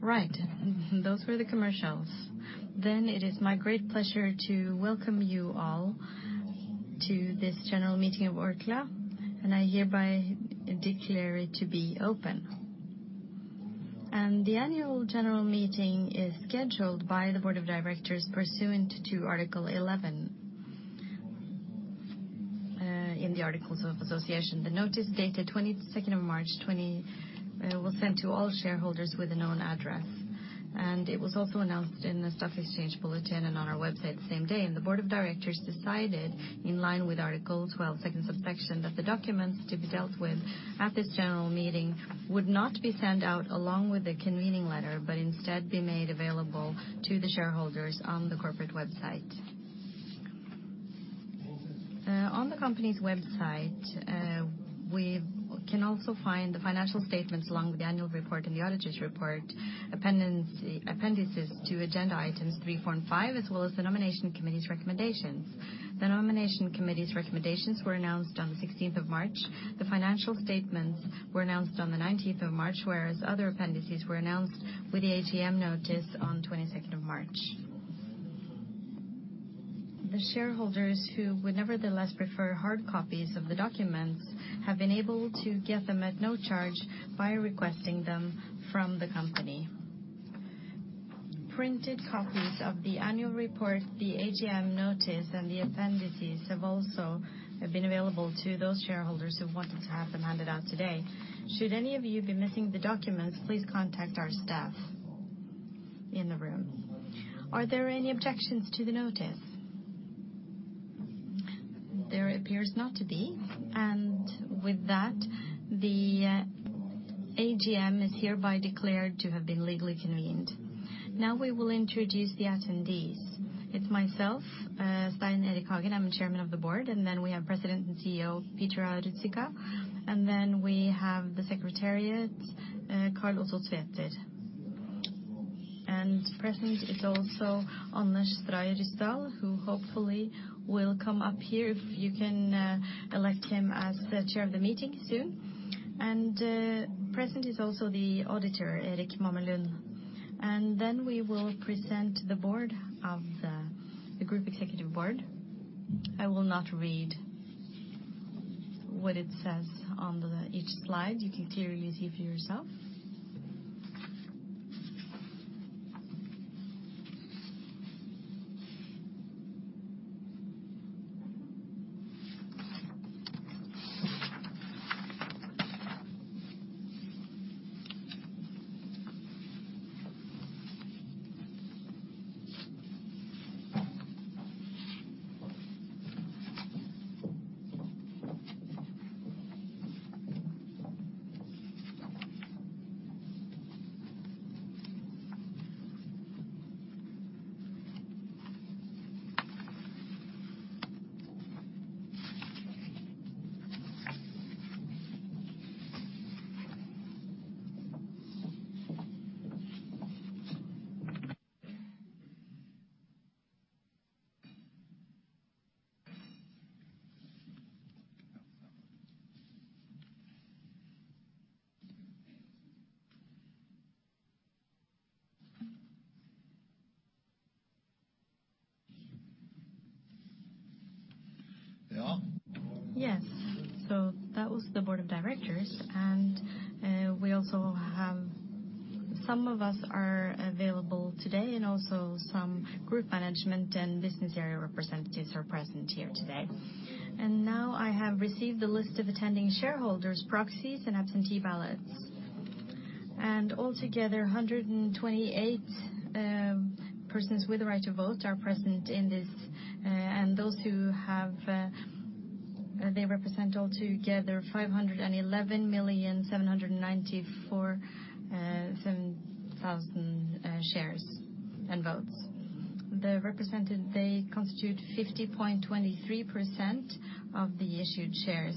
Right, those were the commercials. Then it is my great pleasure to welcome you all to this general meeting of Orkla, and I hereby declare it to be open. And the Annual General Meeting is scheduled by the Board of Directors pursuant to Article 11 in the Articles of Association. The notice dated twenty-second of March 2020 was sent to all shareholders with a known address, and it was also announced in the stock exchange bulletin and on our website the same day. And the Board of Directors decided, in line with Article 12, second subsection, that the documents to be dealt with at this general meeting would not be sent out along with a convening letter, but instead be made available to the shareholders on the corporate website. On the company's website, we can also find the financial statements along with the annual report and the auditor's report, appendices to agenda Items 3, 4, and 5, as well as the Nomination Committee's recommendations. The Nomination Committee's recommendations were announced on the sixteenth of March. The financial statements were announced on the nineteenth of March, whereas other appendices were announced with the AGM notice on the twenty-second of March. The shareholders who would nevertheless prefer hard copies of the documents have been able to get them at no charge by requesting them from the company. Printed copies of the annual report, the AGM notice, and the appendices have also been available to those shareholders who wanted to have them handed out today. Should any of you be missing the documents, please contact our staff in the room. Are there any objections to the notice? There appears not to be, and with that, the AGM is hereby declared to have been legally convened. Now we will introduce the attendees. It's myself, Stein Erik Hagen. I'm the Chairman of the Board, and then we have President and CEO Peter Ruzicka, and then we have the Secretariat, Karl Otto Tveter. And present is also Anders Stray Ryssdal, who hopefully will come up here, if you can, elect him as the chair of the meeting soon. And present is also the auditor, Erik Mamelund. And then we will present the Group Executive Board. I will not read what it says on each slide. You can clearly see for yourself. Yeah. Yes. That was the Board of Directors, and we also have some of us available today, and also some Group Management and business area representatives present here today. Now, I have received the list of attending shareholders, proxies, and absentee ballots. Altogether, 128 persons with the right to vote are present here. And those who have they represent altogether 511,794,007 shares and votes. The represented they constitute 50.23% of the issued shares,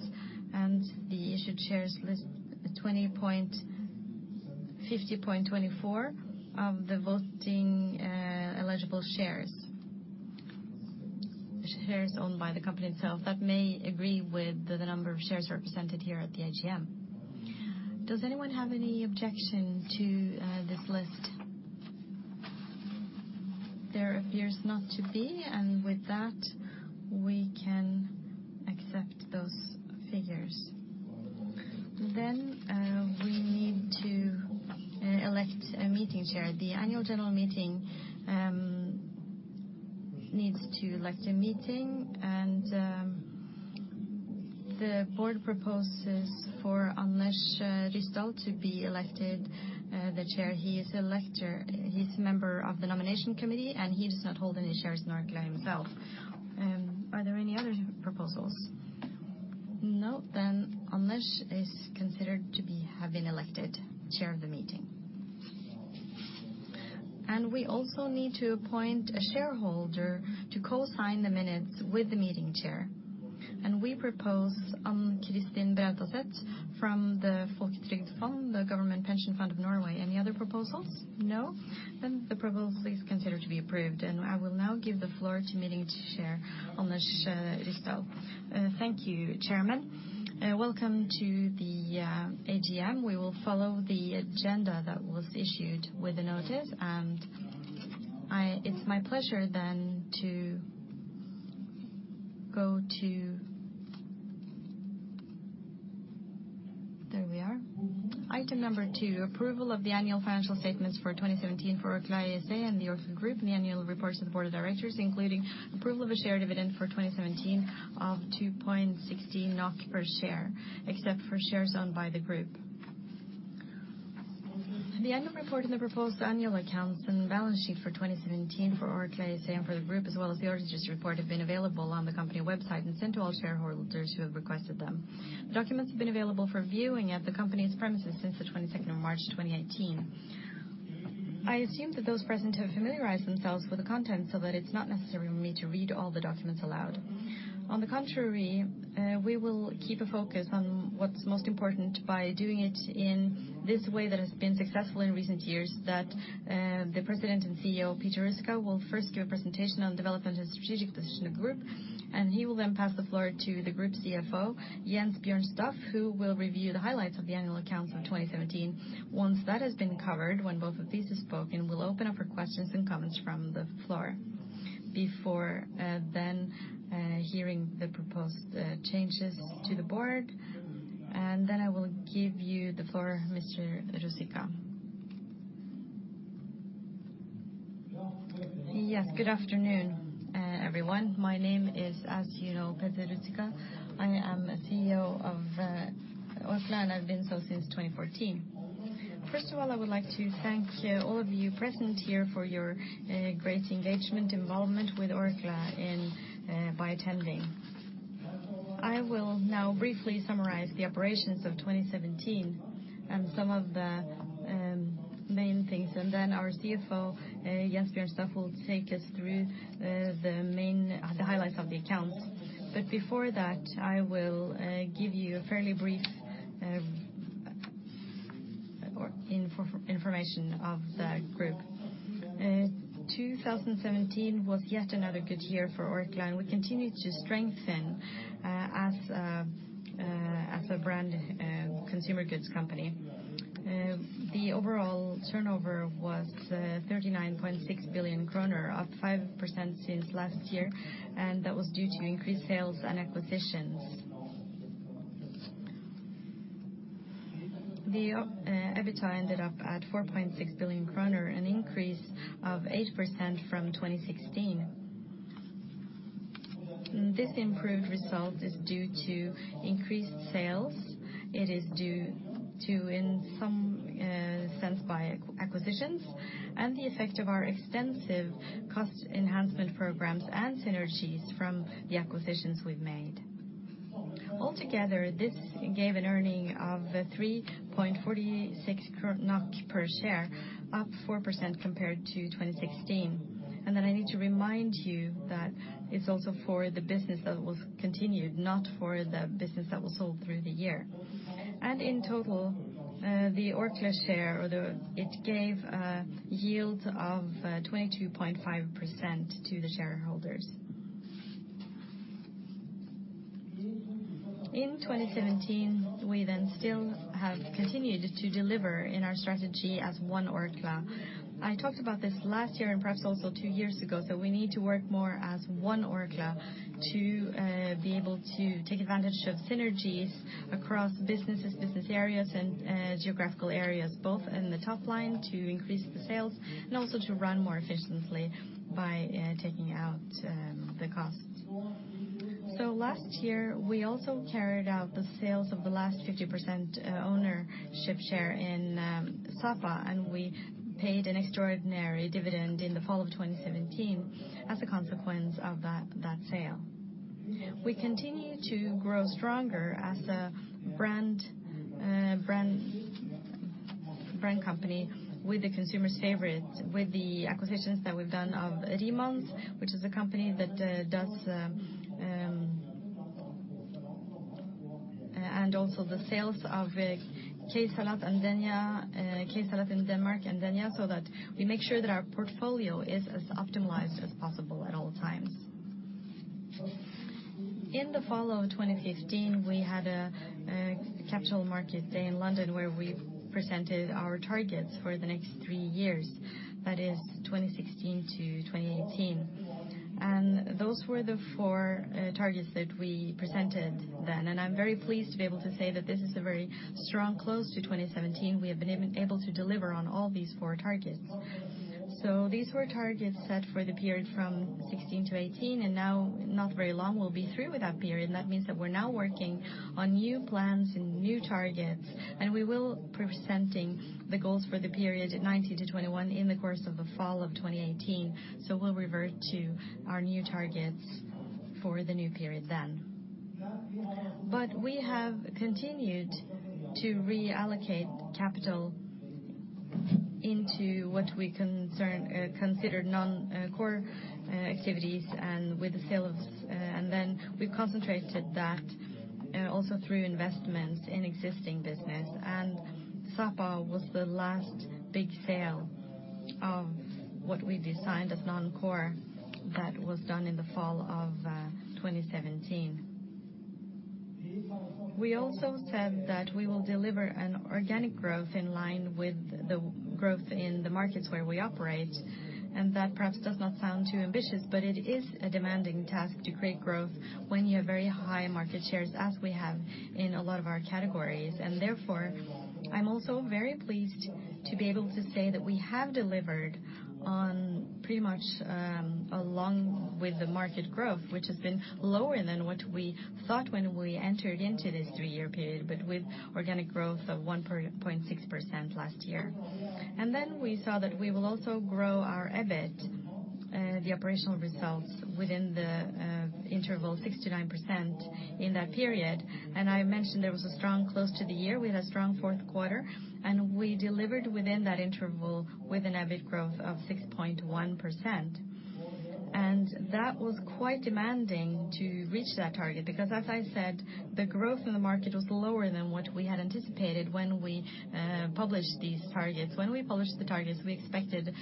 and the issued shares list fifty point twenty-four of the voting eligible shares. Shares owned by the company itself. That may agree with the number of shares represented here at the AGM. Does anyone have any objection to this list? There appears not to be, and with that, we can accept those figures. Then we need to elect a meeting chair. The Annual General Meeting needs to elect a meeting chair, and the board proposes for Anders Ryssdal to be elected the chair. He is a member of the Nomination Committee, and he does not hold any shares in Orkla himself. Are there any other proposals? No, then Anders is considered to have been elected chair of the meeting. And we also need to appoint a shareholder to co-sign the minutes with the meeting chair, and we propose Ann Kristin Brautaset from the Folketrygdfondet, the Government Pension Fund of Norway. Any other proposals? No. Then the proposal is considered to be approved, and I will now give the floor to meeting chair Anders Ryssdal. Thank you, Chairman. Welcome to the AGM. We will follow the agenda that was issued with the notice, and it's my pleasure then to go to there we are. Item 2, approval of the annual financial statements for 2017 for Orkla ASA and the Orkla Group, and the annual reports of the Board of Directors, including approval of a share dividend for 2017 of 2.16 NOK per share, except for shares owned by the group. The annual report and the proposed annual accounts and balance sheet for 2017 for Orkla ASA and for the group, as well as the auditor's report, have been available on the company website and sent to all shareholders who have requested them. The documents have been available for viewing at the company's premises since the twenty-second of March, 2018. I assume that those present have familiarized themselves with the content so that it's not necessary for me to read all the documents aloud. On the contrary, we will keep a focus on what's most important by doing it in this way that has been successful in recent years, that, the President and CEO, Peter Ruzicka, will first give a presentation on development and strategic position of the group, and he will then pass the floor to the group's CFO, Jens Bjørn Staff, who will review the highlights of the annual accounts of twenty seventeen. Once that has been covered, when both of these have spoken, we'll open up for questions and comments from the floor before, then, hearing the proposed, changes to the board. And then I will give you the floor, Mr. Ruzicka. Yes, good afternoon, everyone. My name is, as you know, Peter Ruzicka. I am CEO of Orkla, and I've been so since 2014. First of all, I would like to thank all of you present here for your great engagement, involvement with Orkla by attending. I will now briefly summarize the operations of 2017 and some of the main things, and then our CFO, Jens Bjørn Staff, will take us through the highlights of the accounts. But before that, I will give you a fairly brief information of the group. 2017 was yet another good year for Orkla, and we continued to strengthen as a brand consumer goods company. The overall turnover was 39.6 billion kroner, up 5% since last year, and that was due to increased sales and acquisitions. The EBITDA ended up at 4.6 billion kroner, an increase of 8% from 2016. This improved result is due to increased sales. It is due to, in some sense, by acquisitions and the effect of our extensive cost enhancement programs and synergies from the acquisitions we've made. Altogether, this gave an earning of 3.46 NOK per share, up 4% compared to 2016. And then I need to remind you that it's also for the business that was continued, not for the business that was sold through the year. And in total, the Orkla share, or the, it gave a yield of 22.5% to the shareholders. In 2017, we then still have continued to deliver in our strategy as One Orkla. I talked about this last year, and perhaps also two years ago, that we need to work more as One Orkla to be able to take advantage of synergies across businesses, business areas, and geographical areas, both in the top line to increase the sales and also to run more efficiently by taking out the costs. So last year, we also carried out the sales of the last 50% ownership share in Sapa, and we paid an extraordinary dividend in the fall of 2017 as a consequence of that sale. We continue to grow stronger as a brand company with the consumers' favorite, with the acquisitions that we've done of Riemann, which is a company that does. And also the sales of K-Salat and Dania in Denmark, so that we make sure that our portfolio is as optimized as possible at all times. In the fall of twenty fifteen, we had a Capital Market Day in London, where we presented our targets for the next three years, that is twenty sixteen to twenty eighteen. And those were the four targets that we presented then, and I'm very pleased to be able to say that this is a very strong close to twenty seventeen. We have been even able to deliver on all these four targets. These were targets set for the period from 2016 to 2018, and now, not very long, we'll be through with that period. That means that we're now working on new plans and new targets, and we will present the goals for the period 2019 to 2021 in the course of the fall of 2018. We'll revert to our new targets for the new period then. We have continued to reallocate capital into what we consider non-core activities and with the sales, and then we've concentrated that also through investments in existing business, and Sapa was the last big sale of what we designed as non-core that was done in the fall of 2017. We also said that we will deliver an organic growth in line with the growth in the markets where we operate, and that perhaps does not sound too ambitious, but it is a demanding task to create growth when you have very high market shares, as we have in a lot of our categories. And therefore, I'm also very pleased to be able to say that we have delivered on pretty much, along with the market growth, which has been lower than what we thought when we entered into this three-year period, but with organic growth of 1.6% last year. And then we saw that we will also grow our EBIT, the operational results within the, interval 6-9% in that period. And I mentioned there was a strong close to the year. We had a strong fourth quarter, and we delivered within that interval with an EBIT growth of 6.1%. And that was quite demanding to reach that target, because, as I said, the growth in the market was lower than what we had anticipated when we published these targets. When we published the targets, we expected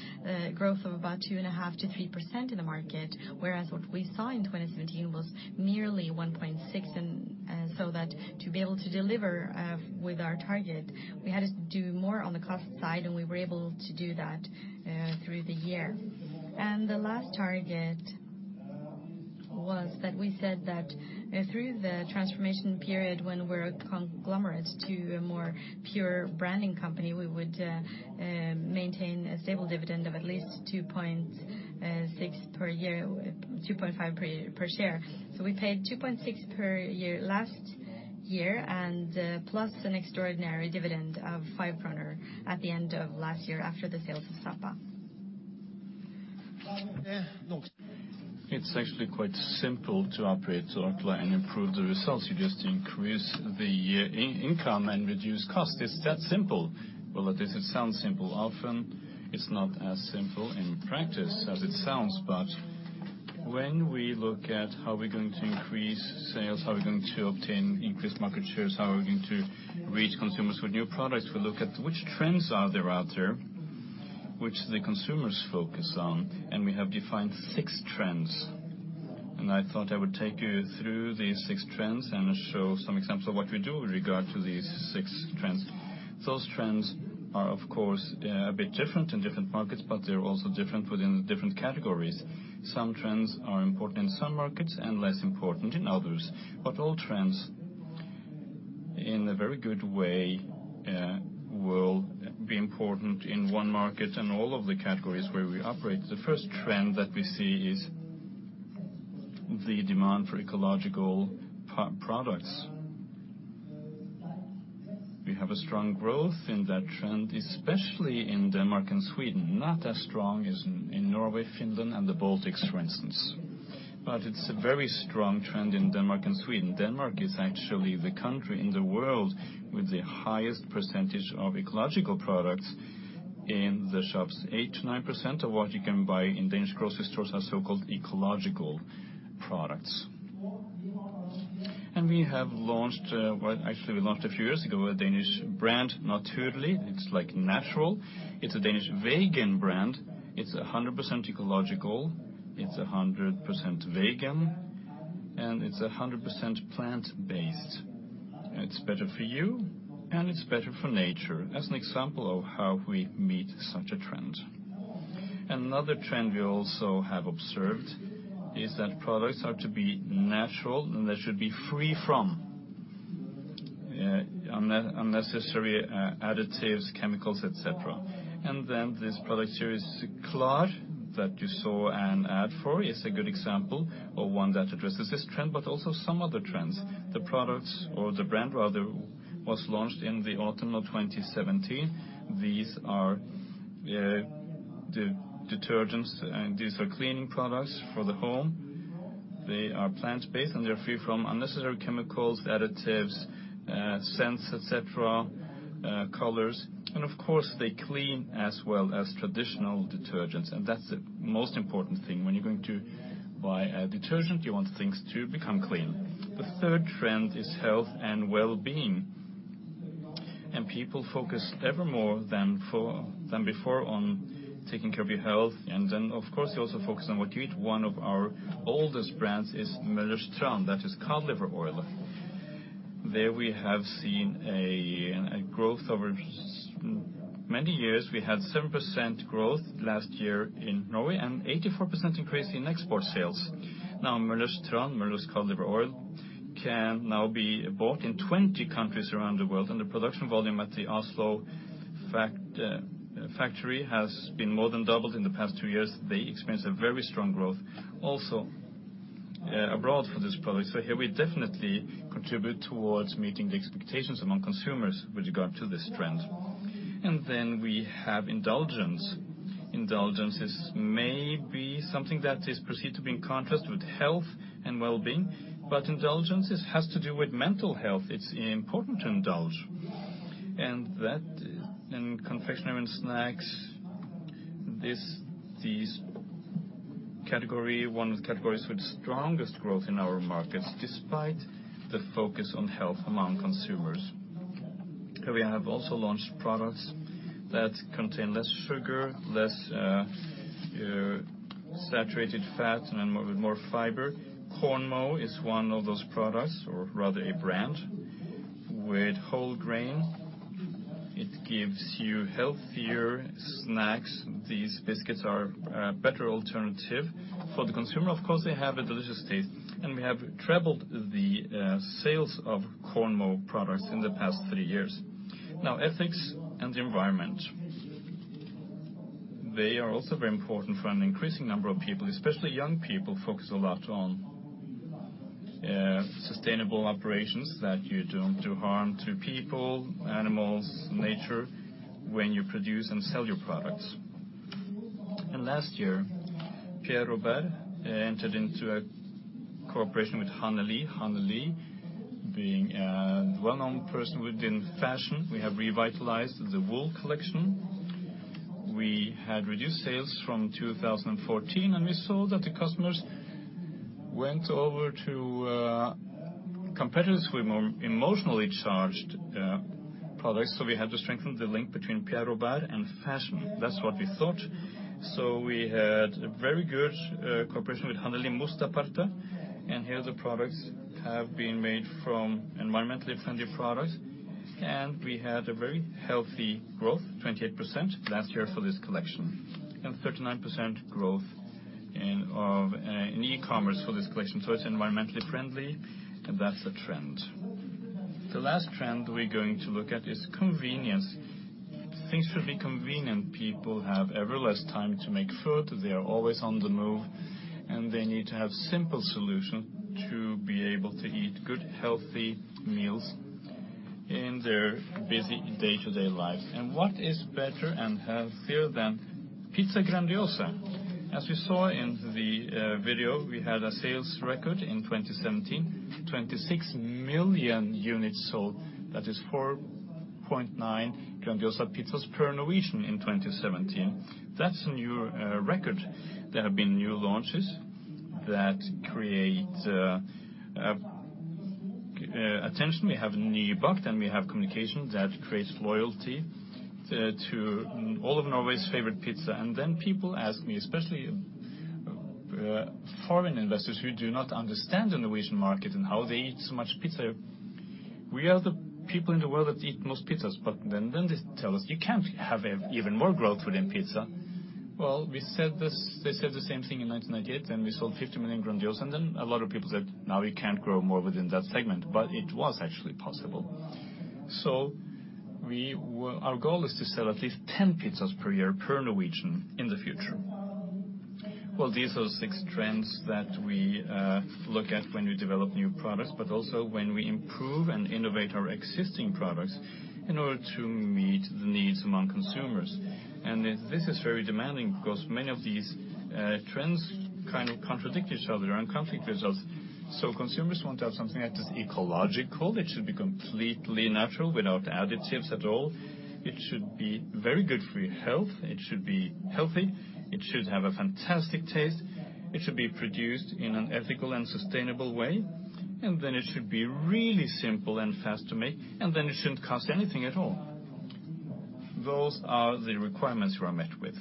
growth of about 2.5-3% in the market, whereas what we saw in 2017 was merely 1.6%. And so that to be able to deliver with our target, we had to do more on the cost side, and we were able to do that through the year. The last target was that we said that through the transformation period, when we're a conglomerate to a more pure branding company, we would maintain a stable dividend of at least 2.6 per year, 2.5 per share. So we paid 2.6 per year last year, and plus an extraordinary dividend of 5 kroner at the end of last year after the sale of Sapa. It's actually quite simple to operate Orkla, and improve the results. You just increase the income and reduce cost. It's that simple. Well, it sounds simple. Often, it's not as simple in practice as it sounds. But when we look at how we're going to increase sales, how we're going to obtain increased market shares, how we're going to reach consumers with new products, we look at which trends are there out there, which the consumers focus on, and we have defined six trends. And I thought I would take you through these six trends and show some examples of what we do with regard to these six trends. Those trends are, of course, a bit different in different markets, but they're also different within the different categories. Some trends are important in some markets and less important in others. All trends, in a very good way, will be important in one market and all of the categories where we operate. The first trend that we see is the demand for ecological products. We have a strong growth in that trend, especially in Denmark and Sweden, not as strong as in Norway, Finland, and the Baltics, for instance. It's a very strong trend in Denmark and Sweden. Denmark is actually the country in the world with the highest percentage of ecological products in the shops. Eight to nine percent of what you can buy in Danish grocery stores are so-called ecological products. We have launched, well, actually, we launched a few years ago, a Danish brand, Naturli'. It's like natural. It's 100% ecological, it's 100% vegan, and it's 100% plant-based. It's better for you, and it's better for nature. That's an example of how we meet such a trend. Another trend we also have observed is that products are to be natural, and they should be free from unnecessary additives, chemicals, et cetera. And then this product here is Klar, that you saw an ad for, is a good example of one that addresses this trend, but also some other trends. The products or the brand, rather, was launched in the autumn of twenty seventeen. These are detergents, and these are cleaning products for the home. They are plant-based, and they're free from unnecessary chemicals, additives, scents, et cetera, colors. And of course, they clean as well as traditional detergents, and that's the most important thing. When you're going to buy a detergent, you want things to become clean. The third trend is health and well-being, and people focus ever more than before on taking care of your health, and then, of course, you also focus on what you eat. One of our oldest brands is Møller's Tran. That is cod liver oil. There we have seen a growth over many years. We had 7% growth last year in Norway and 84% increase in export sales. Now, Møller's Tran, Møller's cod liver oil, can now be bought in 20 countries around the world, and the production volume at the Oslo factory has been more than doubled in the past two years. They experienced a very strong growth, also abroad for this product. So here we definitely contribute towards meeting the expectations among consumers with regard to this trend. And then we have indulgence. Indulgence is maybe something that is perceived to be in contrast with health and well-being, but indulgence, it has to do with mental health. It's important to indulge, and that in Confectionery and Snacks, these category, one of the categories with the strongest growth in our markets, despite the focus on health among consumers. We have also launched products that contain less sugar, less saturated fat and more fiber. Kornmo is one of those products, or rather a brand, with whole grain. It gives you healthier snacks. These biscuits are a better alternative for the consumer. Of course, they have a delicious taste, and we have tripled the sales of Kornmo products in the past three years. Now, ethics and the environment. They are also very important for an increasing number of people, especially young people, focus a lot on sustainable operations, that you don't do harm to people, animals, nature, when you produce and sell your products. Last year, Pierre Robert entered into a cooperation with Hanneli. Hanneli being a well-known person within fashion. We have revitalized the wool collection. We had reduced sales from two thousand and fourteen, and we saw that the customers went over to competitors with more emotionally charged products, so we had to strengthen the link between Pierre Robert and fashion. That's what we thought. We had a very good cooperation with Hanneli Mustaparta, and here, the products have been made from environmentally friendly products. We had a very healthy growth, 28% last year for this collection, and 39% growth in, of, in e-commerce for this collection. It's environmentally friendly, and that's a trend. The last trend we're going to look at is convenience. Things should be convenient. People have ever less time to make food. They are always on the move, and they need to have simple solution to be able to eat good, healthy meals in their busy day-to-day life. What is better and healthier than Grandiosa pizza? As you saw in the video, we had a sales record in 2017, 26 million units sold. That is 4.9 Grandiosa pizzas per Norwegian in 2017. That's a new record. There have been new launches that create attention. We have Nybakt, and we have communication that creates loyalty to all of Norway's favorite pizza. Then people ask me, especially foreign investors who do not understand the Norwegian market and how they eat so much pizza. We are the people in the world that eat most pizzas, but then they tell us, "You can't have even more growth within pizza." They said the same thing in nineteen ninety-eight, and we sold 50 million Grandiosas. Then a lot of people said, "Now we can't grow more within that segment," but it was actually possible. Our goal is to sell at least 10 pizzas per year per Norwegian in the future. These are six trends that we look at when we develop new products, but also when we improve and innovate our existing products in order to meet the needs among consumers. This is very demanding, because many of these trends kind of contradict each other and conflict results. Consumers want to have something that is ecological. It should be completely natural without additives at all. It should be very good for your health. It should be healthy. It should have a fantastic taste. It should be produced in an ethical and sustainable way, and then it should be really simple and fast to make, and then it shouldn't cost anything at all. Those are the requirements we are met with.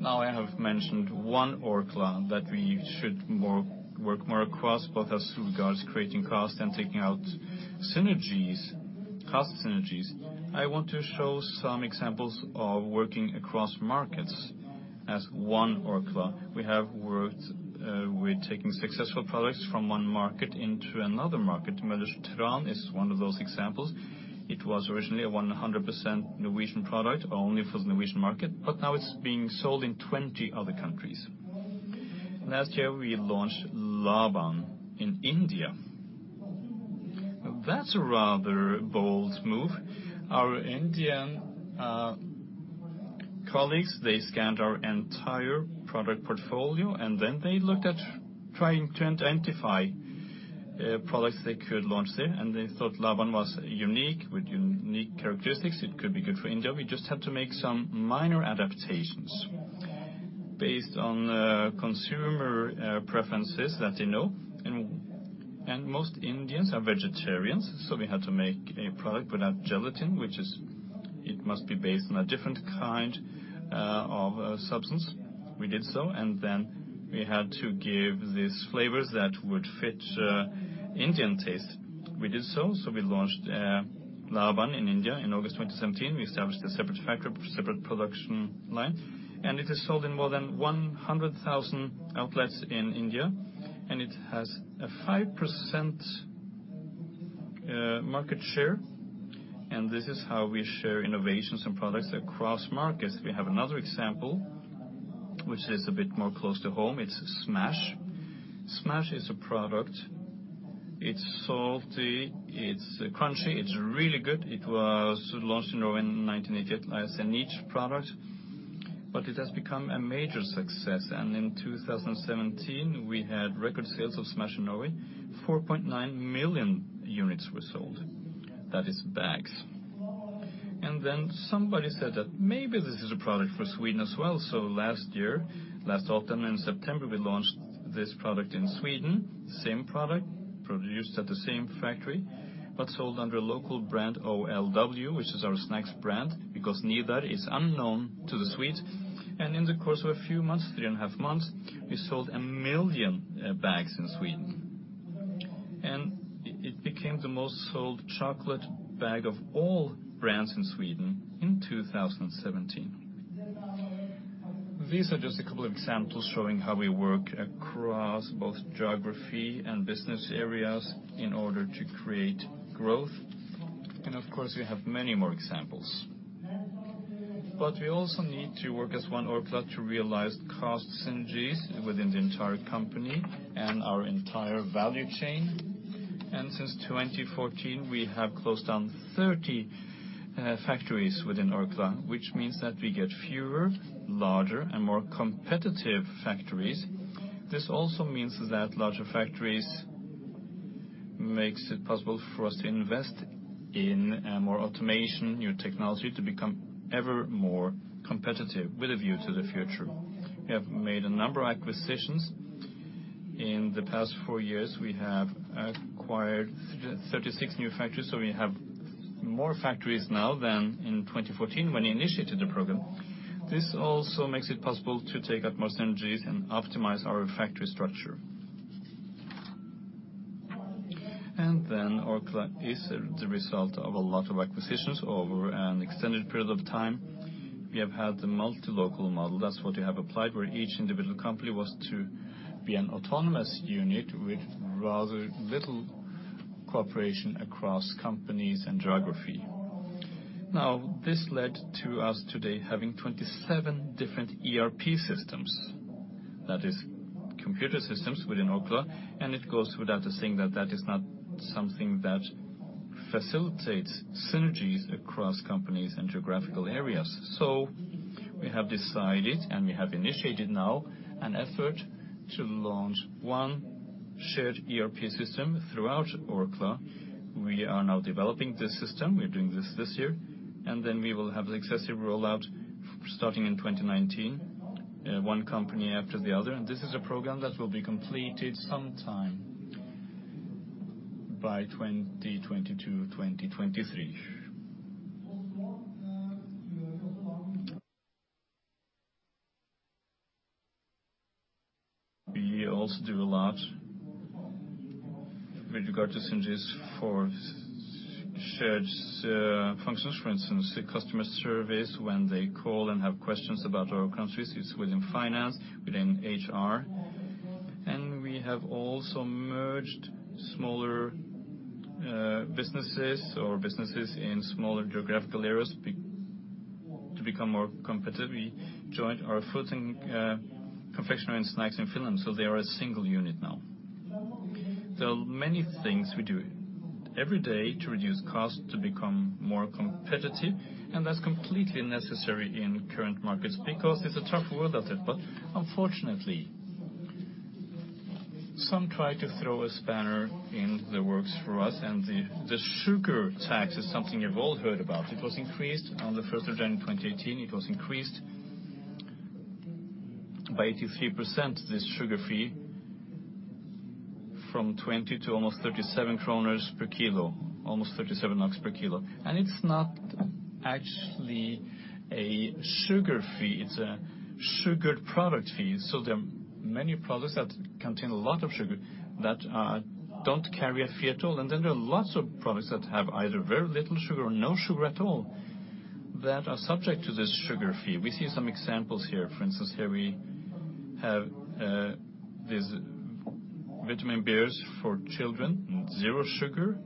Now, I have mentioned One Orkla, that we should work more across, both as regards creating cost and taking out synergies, cost synergies. I want to show some examples of working across markets as One Orkla. We have worked with taking successful products from one market into another market. Møller's Tran is one of those examples. It was originally a 100% Norwegian product, only for the Norwegian market, but now it's being sold in 20 other countries. Last year, we launched Laban in India. That's a rather bold move. Our Indian colleagues, they scanned our entire product portfolio, and then they looked at trying to identify products they could launch there, and they thought Laban was unique with unique characteristics. It could be good for India. We just had to make some minor adaptations based on consumer preferences that they know. And most Indians are vegetarians, so we had to make a product without gelatin, which is... It must be based on a different kind of substance. We did so, and then we had to give these flavors that would fit Indian taste. We did so, so we launched Laban in India in August 2017. We established a separate factory, separate production line, and it is sold in more than 100,000 outlets in India, and it has a 5% market share. And this is how we share innovations and products across markets. We have another example, which is a bit more close to home. It's Smash. Smash is a product. It's salty, it's crunchy, it's really good. It was launched in Norway in 1988 as a niche product, but it has become a major success, and in 2017, we had record sales of Smash in Norway. 4.9 million units were sold. That is bags. Then somebody said that maybe this is a product for Sweden as well. Last year, last autumn, in September, we launched this product in Sweden. Same product, produced at the same factory, but sold under a local brand, OLW, which is our snacks brand, because Nidar is unknown to the Swedes. In the course of a few months, three and a half months, we sold a million bags in Sweden. It became the most sold chocolate bag of all brands in Sweden in 2017. These are just a couple of examples showing how we work across both geography and business areas in order to create growth, and of course, we have many more examples. We also need to work as One Orkla to realize cost synergies within the entire company and our entire value chain. Since twenty fourteen, we have closed down thirty factories within Orkla, which means that we get fewer, larger, and more competitive factories. This also means that larger factories makes it possible for us to invest in more automation, new technology, to become ever more competitive with a view to the future. We have made a number of acquisitions. In the past four years, we have acquired thirty-six new factories, so we have more factories now than in twenty fourteen when we initiated the program. This also makes it possible to take out more synergies and optimize our factory structure. Orkla is the result of a lot of acquisitions over an extended period of time. We have had the multi-local model. That's what we have applied, where each individual company was to be an autonomous unit with rather little cooperation across companies and geography. Now, this led to us today having 27 different ERP systems, that is computer systems within Orkla, and it goes without saying that that is not something that facilitates synergies across companies and geographical areas. So we have decided, and we have initiated now, an effort to launch one shared ERP system throughout Orkla. We are now developing this system. We're doing this this year, and then we will have the successive rollout starting in 2019, one company after the other, and this is a program that will be completed sometime by 2022, 2023. We also do a lot with regard to synergies for shared functions. For instance, the customer service, when they call and have questions about our countries, it's within finance, within HR. And we have also merged smaller businesses or businesses in smaller geographical areas to become more competitive. We joined our footprint, Confectionery and Snacks in Finland, so they are a single unit now. There are many things we do every day to reduce cost, to become more competitive, and that's completely necessary in current markets because it's a tough world out there, but unfortunately, some try to throw a spanner in the works for us, and the sugar tax is something you've all heard about. It was increased on the first of January 2018. It was increased by 83%, this sugar fee, from 20 to almost 37 kroner per kilo, almost 37 NOK per kilo, and it's not actually a sugar fee, it's a sugared product fee. So there are many products that contain a lot of sugar that don't carry a fee at all, and then there are lots of products that have either very little sugar or no sugar at all that are subject to this sugar fee. We see some examples here. For instance, here we have these vitamin bears for children, zero sugar,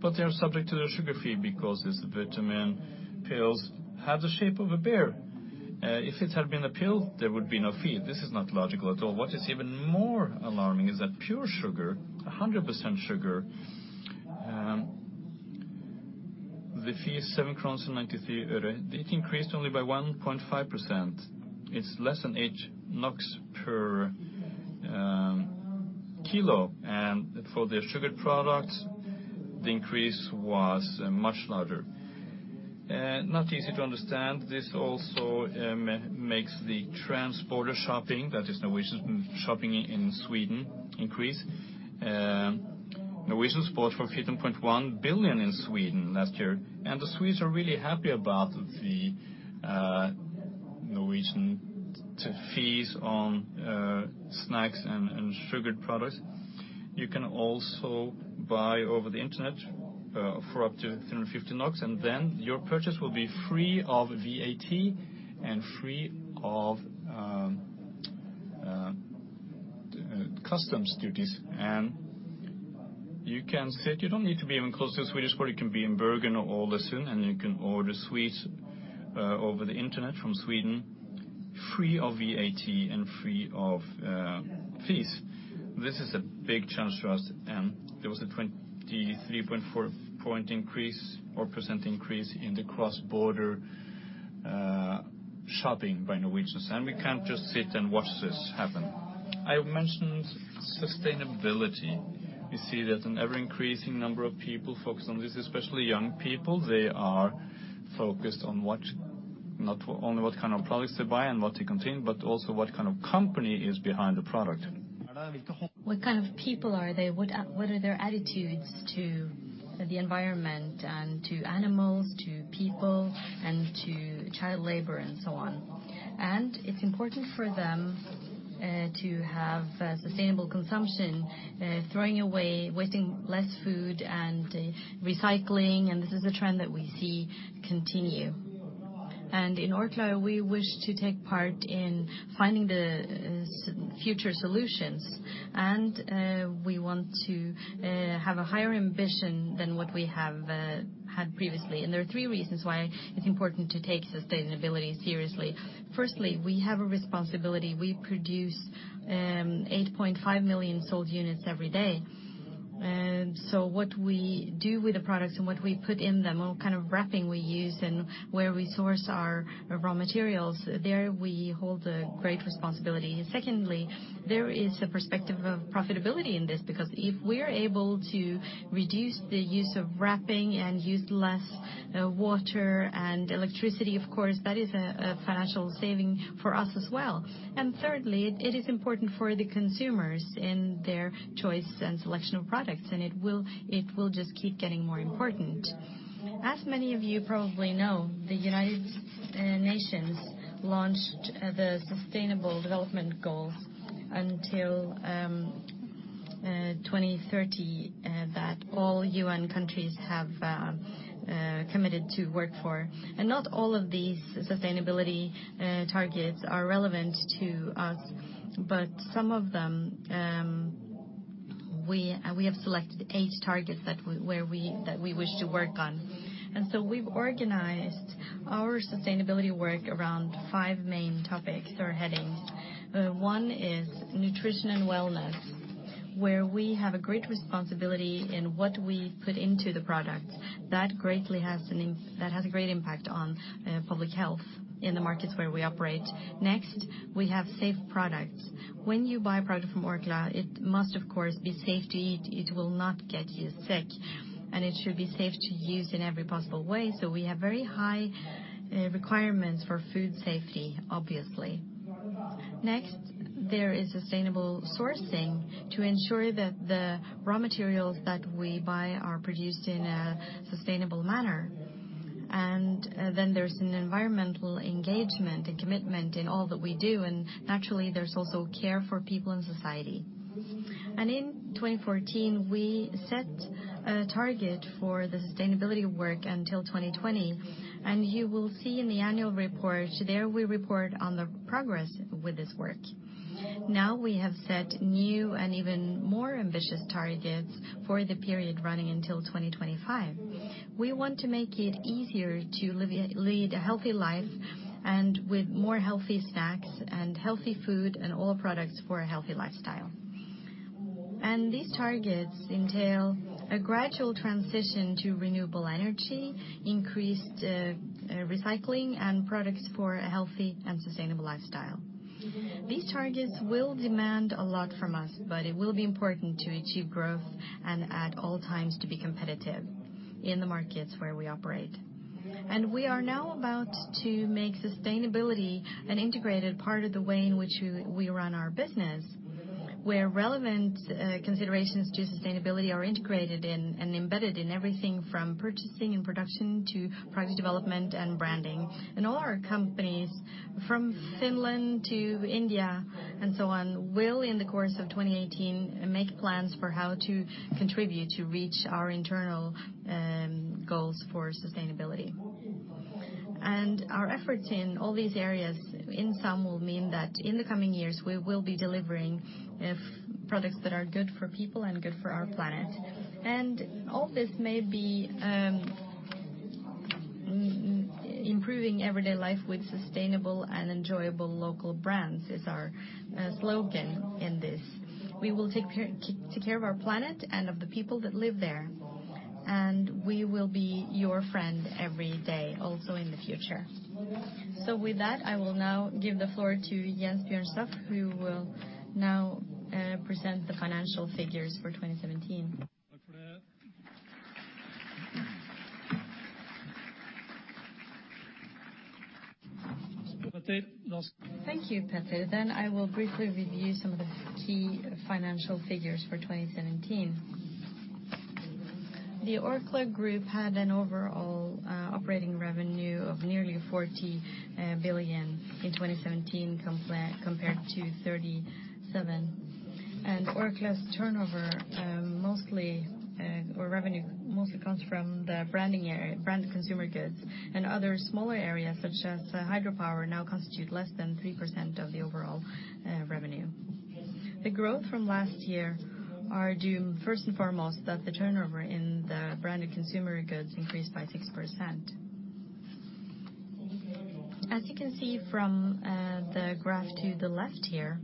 but they are subject to the sugar fee because these vitamin pills have the shape of a bear. If it had been a pill, there would be no fee. This is not logical at all. What is even more alarming is that pure sugar, 100% sugar, the fee is NOK 7.93. It increased only by 1.5%. It's less than 8 NOK per kilo, and for the sugared products, the increase was much larger. Not easy to understand. This also makes the cross-border shopping, that is Norwegian shopping in Sweden, increase. Norwegian spent 14.1 billion in Sweden last year, and the Swedes are really happy about the Norwegian fees on snacks and sugared products. You can also buy over the Internet for up to 350 NOK, and then your purchase will be free of VAT and free of customs duties. You can sit. You don't need to be even close to Sweden. You can be in Bergen or Oslo, and you can order sweets over the Internet from Sweden, free of VAT and free of fees. This is a big challenge for us, and there was a 23.4% increase in the cross-border-... Shopping by Norwegians, and we can't just sit and watch this happen. I mentioned sustainability. We see that an ever-increasing number of people focus on this, especially young people. They are focused on what, not only what kind of products they buy and what they contain, but also what kind of company is behind the product. What kind of people are they? What are their attitudes to the environment and to animals, to people, and to child labor, and so on? It's important for them to have sustainable consumption, throwing away, wasting less food, and recycling, and this is a trend that we see continue. In Orkla, we wish to take part in finding the future solutions, and we want to have a higher ambition than what we have had previously. There are three reasons why it's important to take sustainability seriously. Firstly, we have a responsibility. We produce eight point five million sold units every day. So what we do with the products and what we put in them, what kind of wrapping we use, and where we source our raw materials, there we hold a great responsibility. Secondly, there is a perspective of profitability in this, because if we're able to reduce the use of wrapping and use less water and electricity, of course, that is a financial saving for us as well. And thirdly, it is important for the consumers in their choice and selection of products, and it will just keep getting more important. As many of you probably know, the United Nations launched the Sustainable Development Goals until twenty thirty that all UN countries have committed to work for. And not all of these sustainability targets are relevant to us, but some of them, we have selected eight targets that we wish to work on. And so we've organized our sustainability work around five main topics or headings. One is nutrition and wellness, where we have a great responsibility in what we put into the products. That has a great impact on public health in the markets where we operate. Next, we have safe products. When you buy a product from Orkla, it must, of course, be safe to eat. It will not get you sick, and it should be safe to use in every possible way, so we have very high requirements for food safety, obviously. Next, there is sustainable sourcing to ensure that the raw materials that we buy are produced in a sustainable manner. Then there's an environmental engagement and commitment in all that we do, and naturally, there's also care for people in society. In twenty fourteen, we set a target for the sustainability work until twenty twenty, and you will see in the annual report, there we report on the progress with this work. Now, we have set new and even more ambitious targets for the period running until twenty twenty-five. We want to make it easier to lead a healthy life, and with more healthy snacks and healthy food and all products for a healthy lifestyle. These targets entail a gradual transition to renewable energy, increased recycling, and products for a healthy and sustainable lifestyle. These targets will demand a lot from us, but it will be important to achieve growth and at all times to be competitive in the markets where we operate. We are now about to make sustainability an integrated part of the way in which we, we run our business, where relevant, considerations to sustainability are integrated in and embedded in everything from purchasing and production to product development and branding. All our companies, from Finland to India and so on, will, in the course of 2018, make plans for how to contribute to reach our internal goals for sustainability. Our efforts in all these areas, in sum, will mean that in the coming years, we will be delivering products that are good for people and good for our planet. All this may be improving everyday life with sustainable and enjoyable local brands is our slogan in this. We will take care of our planet and of the people that live there, and we will be your friend every day, also in the future. With that, I will now give the floor to Jens Bjørn Staff, who will now present the financial figures for twenty seventeen. Thank you, Peter. I will briefly review some of the key financial figures for twenty seventeen. The Orkla Group had an overall operating revenue of nearly 40 billion in twenty seventeen compared to 37 billion. And Orkla's turnover, mostly, or revenue mostly comes from the branded area, Branded Consumer Goods, and other smaller areas such as hydropower now constitute less than 3% of the overall revenue. The growth from last year are due, first and foremost, that the turnover in the Branded Consumer Goods increased by 6%. As you can see from the graph to the left here.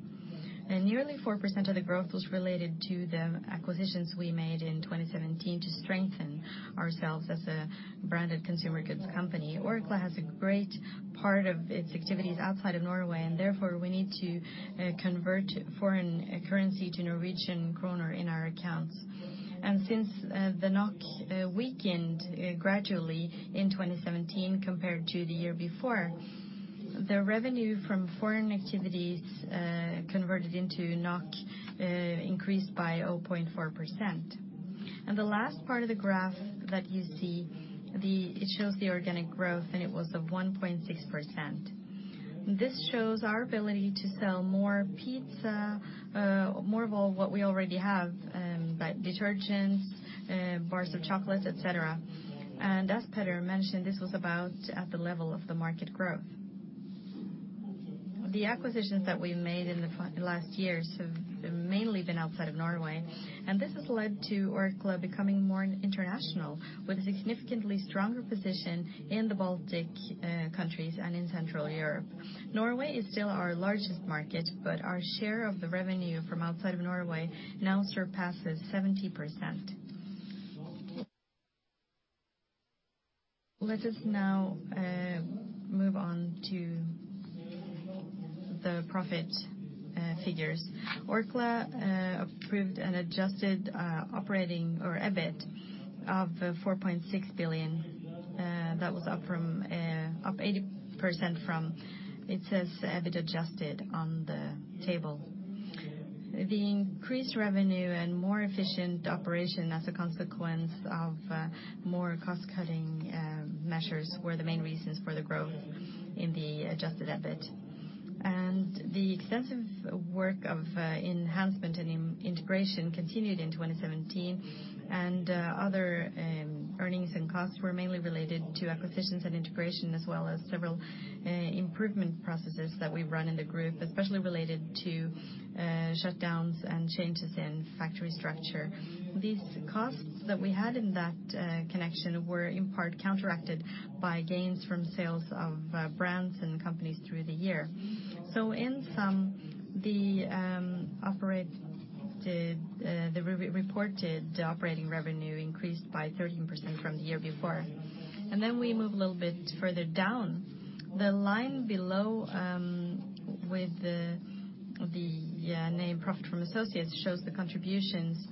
Nearly 4% of the growth was related to the acquisitions we made in 2017 to strengthen ourselves as a Branded Consumer Goods company. Orkla has a great part of its activities outside of Norway, and therefore, we need to convert foreign currency to Norwegian kroner in our accounts. And since the NOK weakened gradually in 2017 compared to the year before, the revenue from foreign activities converted into NOK increased by 0.4%. And the last part of the graph that you see. It shows the organic growth, and it was 1.6%. This shows our ability to sell more pizza, more of all what we already have, but detergents, bars of chocolates, et cetera. As Peter mentioned, this was about at the level of the market growth. The acquisitions that we've made in the last years have mainly been outside of Norway, and this has led to Orkla becoming more international, with a significantly stronger position in the Baltic countries and in Central Europe. Norway is still our largest market, but our share of the revenue from outside of Norway now surpasses 70%. Let us now move on to the profit figures. Orkla approved an adjusted operating or EBIT of 4.6 billion. That was up 80% from... It says EBIT adjusted on the table. The increased revenue and more efficient operation as a consequence of more cost-cutting measures were the main reasons for the growth in the adjusted EBIT. The extensive work of enhancement and integration continued in 2017, and other earnings and costs were mainly related to acquisitions and integration, as well as several improvement processes that we've run in the group, especially related to shutdowns and changes in factory structure. These costs that we had in that connection were in part counteracted by gains from sales of brands and companies through the year. So in sum, the reported operating revenue increased by 13% from the year before. Then we move a little bit further down. The line below with the name profit from associates shows the contributions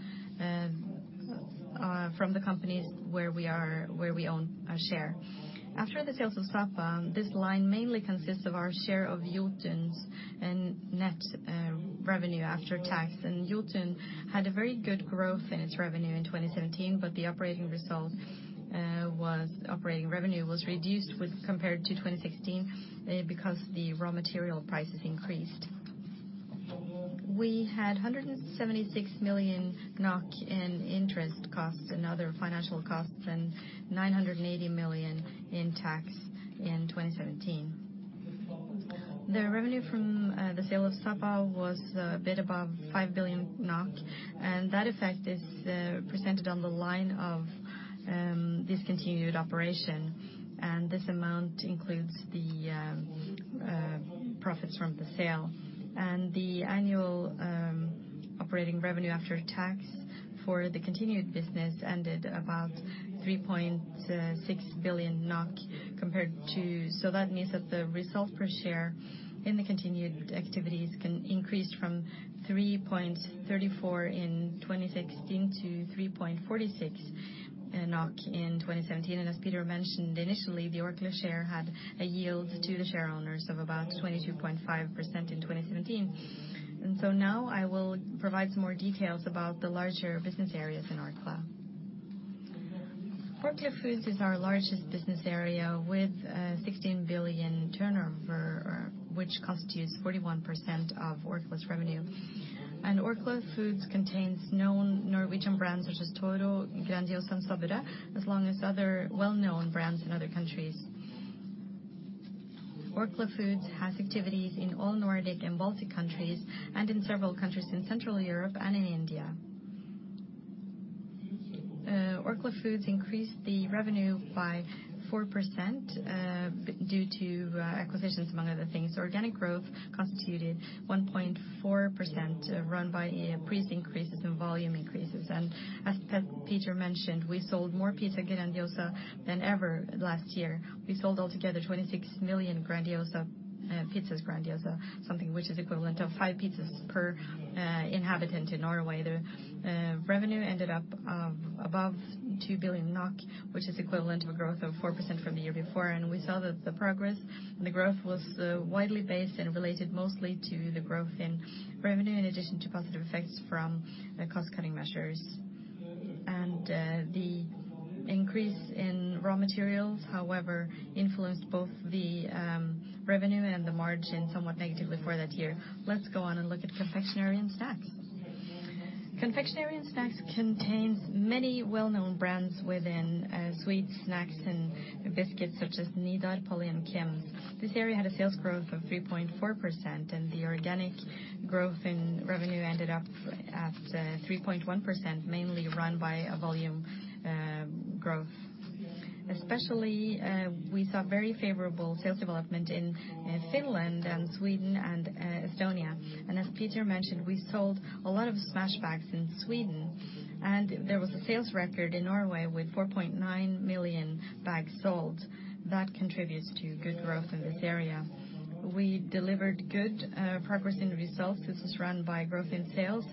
from the companies where we own a share. After the sales of Sapa, this line mainly consists of our share of Jotun's and net revenue after tax. Jotun had a very good growth in its revenue in 2017, but the operating result, operating revenue was reduced with, compared to 2016, because the raw material prices increased. We had 176 million NOK in interest costs and other financial costs, and 980 million in tax in 2017. The revenue from the sale of Sapa was a bit above 5 billion, and that effect is presented on the line of discontinued operation. This amount includes the profits from the sale. The annual operating revenue after tax for the continued business ended about 3.6 billion NOK compared to... So that means that the result per share in the continued activities can increase from 3.34 in 2016 to 3.46 in 2017. And as Peter mentioned initially, the Orkla share had a yield to the shareowners of about 22.5% in 2017. And so now I will provide some more details about the larger business areas in Orkla. Orkla Foods is our largest business area, with 16 billion turnover, which constitutes 41% of Orkla's revenue. And Orkla Foods contains known Norwegian brands such as Toro, Grandiosa, and Sætre, as long as other well-known brands in other countries. Orkla Foods has activities in all Nordic and Baltic countries, and in several countries in Central Europe and in India. Orkla Foods increased the revenue by 4% due to acquisitions, among other things. Organic growth constituted 1.4%, run by price increases and volume increases. As Peter mentioned, we sold more pizza Grandiosa than ever last year. We sold altogether 26 million Grandiosa pizzas Grandiosa, something which is equivalent of five pizzas per inhabitant in Norway. The revenue ended up above 2 billion NOK, which is equivalent to a growth of 4% from the year before. We saw that the progress and the growth was widely based and related mostly to the growth in revenue, in addition to positive effects from the cost-cutting measures. The increase in raw materials, however, influenced both the revenue and the margin somewhat negatively for that year. Let's go on and look at Confectionery and Snacks. Confectionery and snacks contains many well-known brands within sweet snacks and biscuits, such as Nidar, Polly and KiMs. This area had a sales growth of 3.4%, and the organic growth in revenue ended up at 3.1%, mainly run by a volume growth. Especially, we saw very favorable sales development in Finland and Sweden and Estonia. And as Peter mentioned, we sold a lot of Smash bags in Sweden, and there was a sales record in Norway with 4.9 million bags sold. That contributes to good growth in this area. We delivered good progress in results. This was run by growth in sales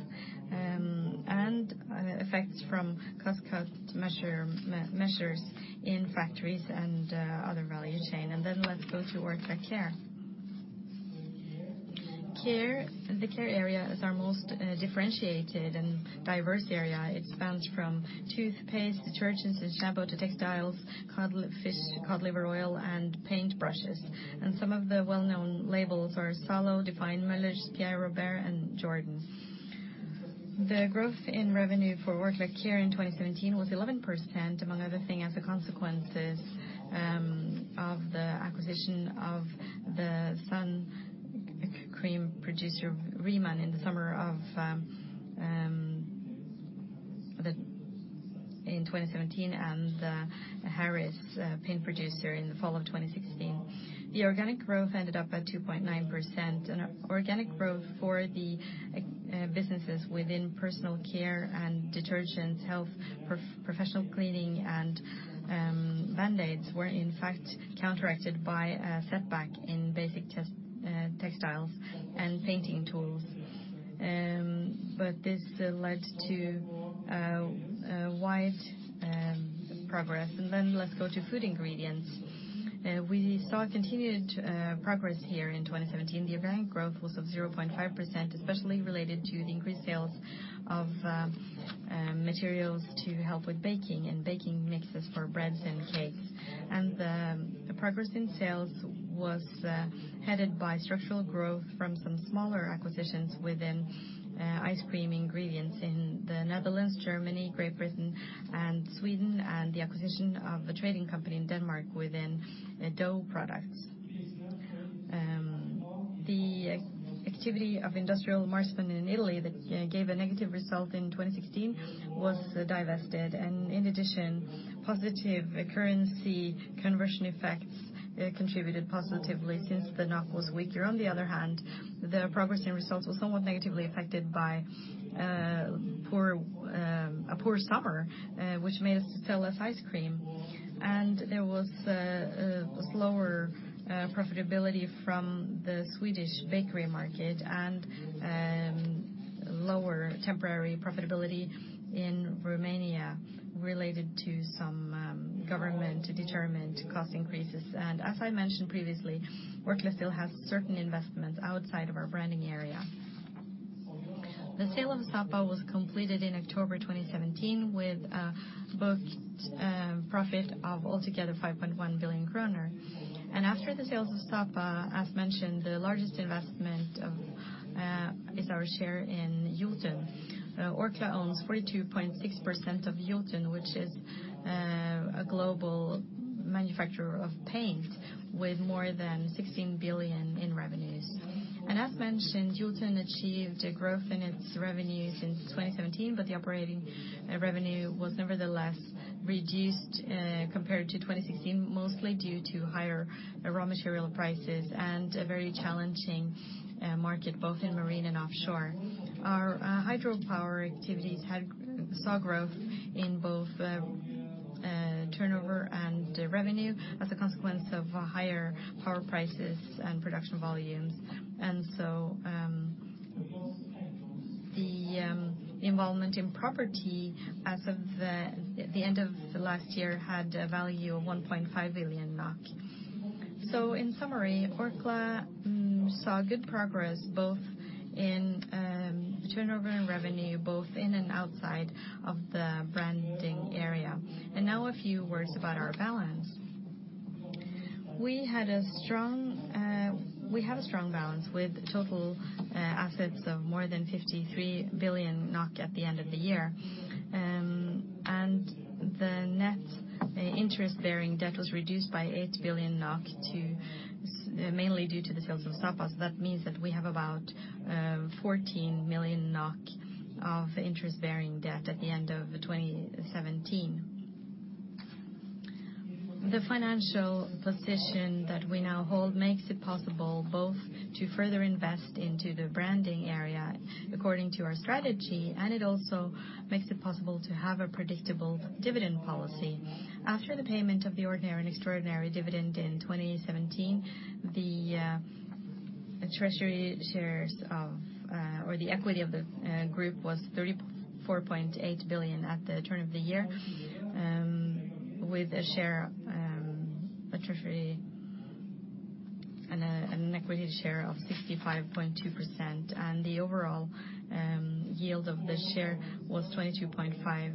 and effects from cost cut measures in factories and other value chain. And then let's go to Orkla Care. Care, the care area is our most differentiated and diverse area. It spans from toothpaste, detergents, and shampoo to textiles, cod liver oil, and paint brushes. And some of the well-known labels are Zalo, Define, Møller's, Pierre Robert, and Jordan. The growth in revenue for Orkla Care in 2017 was 11%, among other things, as a consequence of the acquisition of the sun cream producer Riemann in the summer of 2017, and Harris, paint producer in the fall of 2016. The organic growth ended up at 2.9%, and organic growth for the businesses within personal care and detergents, health, professional cleaning, and Band-Aids, were in fact counteracted by a setback in basic textiles and painting tools. But this led to a wide progress. And then let's go to Food Ingredients. We saw continued progress here in 2017. The organic growth was 0.5%, especially related to the increased sales of materials to help with baking and baking mixes for breads and cakes. And the progress in sales was headed by structural growth from some smaller acquisitions within ice cream ingredients in the Netherlands, Germany, Great Britain, and Sweden, and the acquisition of a trading company in Denmark within dough products. The activity of our industrial business in Italy, that gave a negative result in 2016, was divested. And in addition, positive currency conversion effects contributed positively since the NOK was weaker. On the other hand, the progress in results was somewhat negatively affected by a poor summer, which made us sell less ice cream. There was lower profitability from the Swedish bakery market and lower temporary profitability in Romania related to some government-determined cost increases. As I mentioned previously, Orkla still has certain investments outside of our branding area. The sale of Sapa was completed in October 2017, with a booked profit of altogether 5.1 billion kroner. After the sales of Sapa, as mentioned, the largest investment of is our share in Jotun. Orkla owns 42.6% of Jotun, which is a global manufacturer of paint with more than 16 billion in revenues. As mentioned, Jotun achieved a growth in its revenues in 2017, but the operating revenue was nevertheless reduced compared to 2016, mostly due to higher raw material prices and a very challenging market, both in marine and offshore. Our hydropower activities had saw growth in both turnover and revenue as a consequence of higher power prices and production volumes. And so the involvement in property as of the end of last year had a value of 1.5 billion NOK. So in summary, Orkla saw good progress, both in turnover and revenue, both in and outside of the branding area. And now a few words about our balance. We have a strong balance with total assets of more than 53 billion NOK at the end of the year. And the net interest-bearing debt was reduced by 8 billion NOK to, mainly due to the sales of Sapa. So that means that we have about 14 billion NOK of interest-bearing debt at the end of 2017. The financial position that we now hold makes it possible both to further invest into the branding area according to our strategy, and it also makes it possible to have a predictable dividend policy. After the payment of the ordinary and extraordinary dividend in 2017, the equity of the group was 34.8 billion at the turn of the year, with an equity share of 65.2%, and the overall yield of the share was 22.5,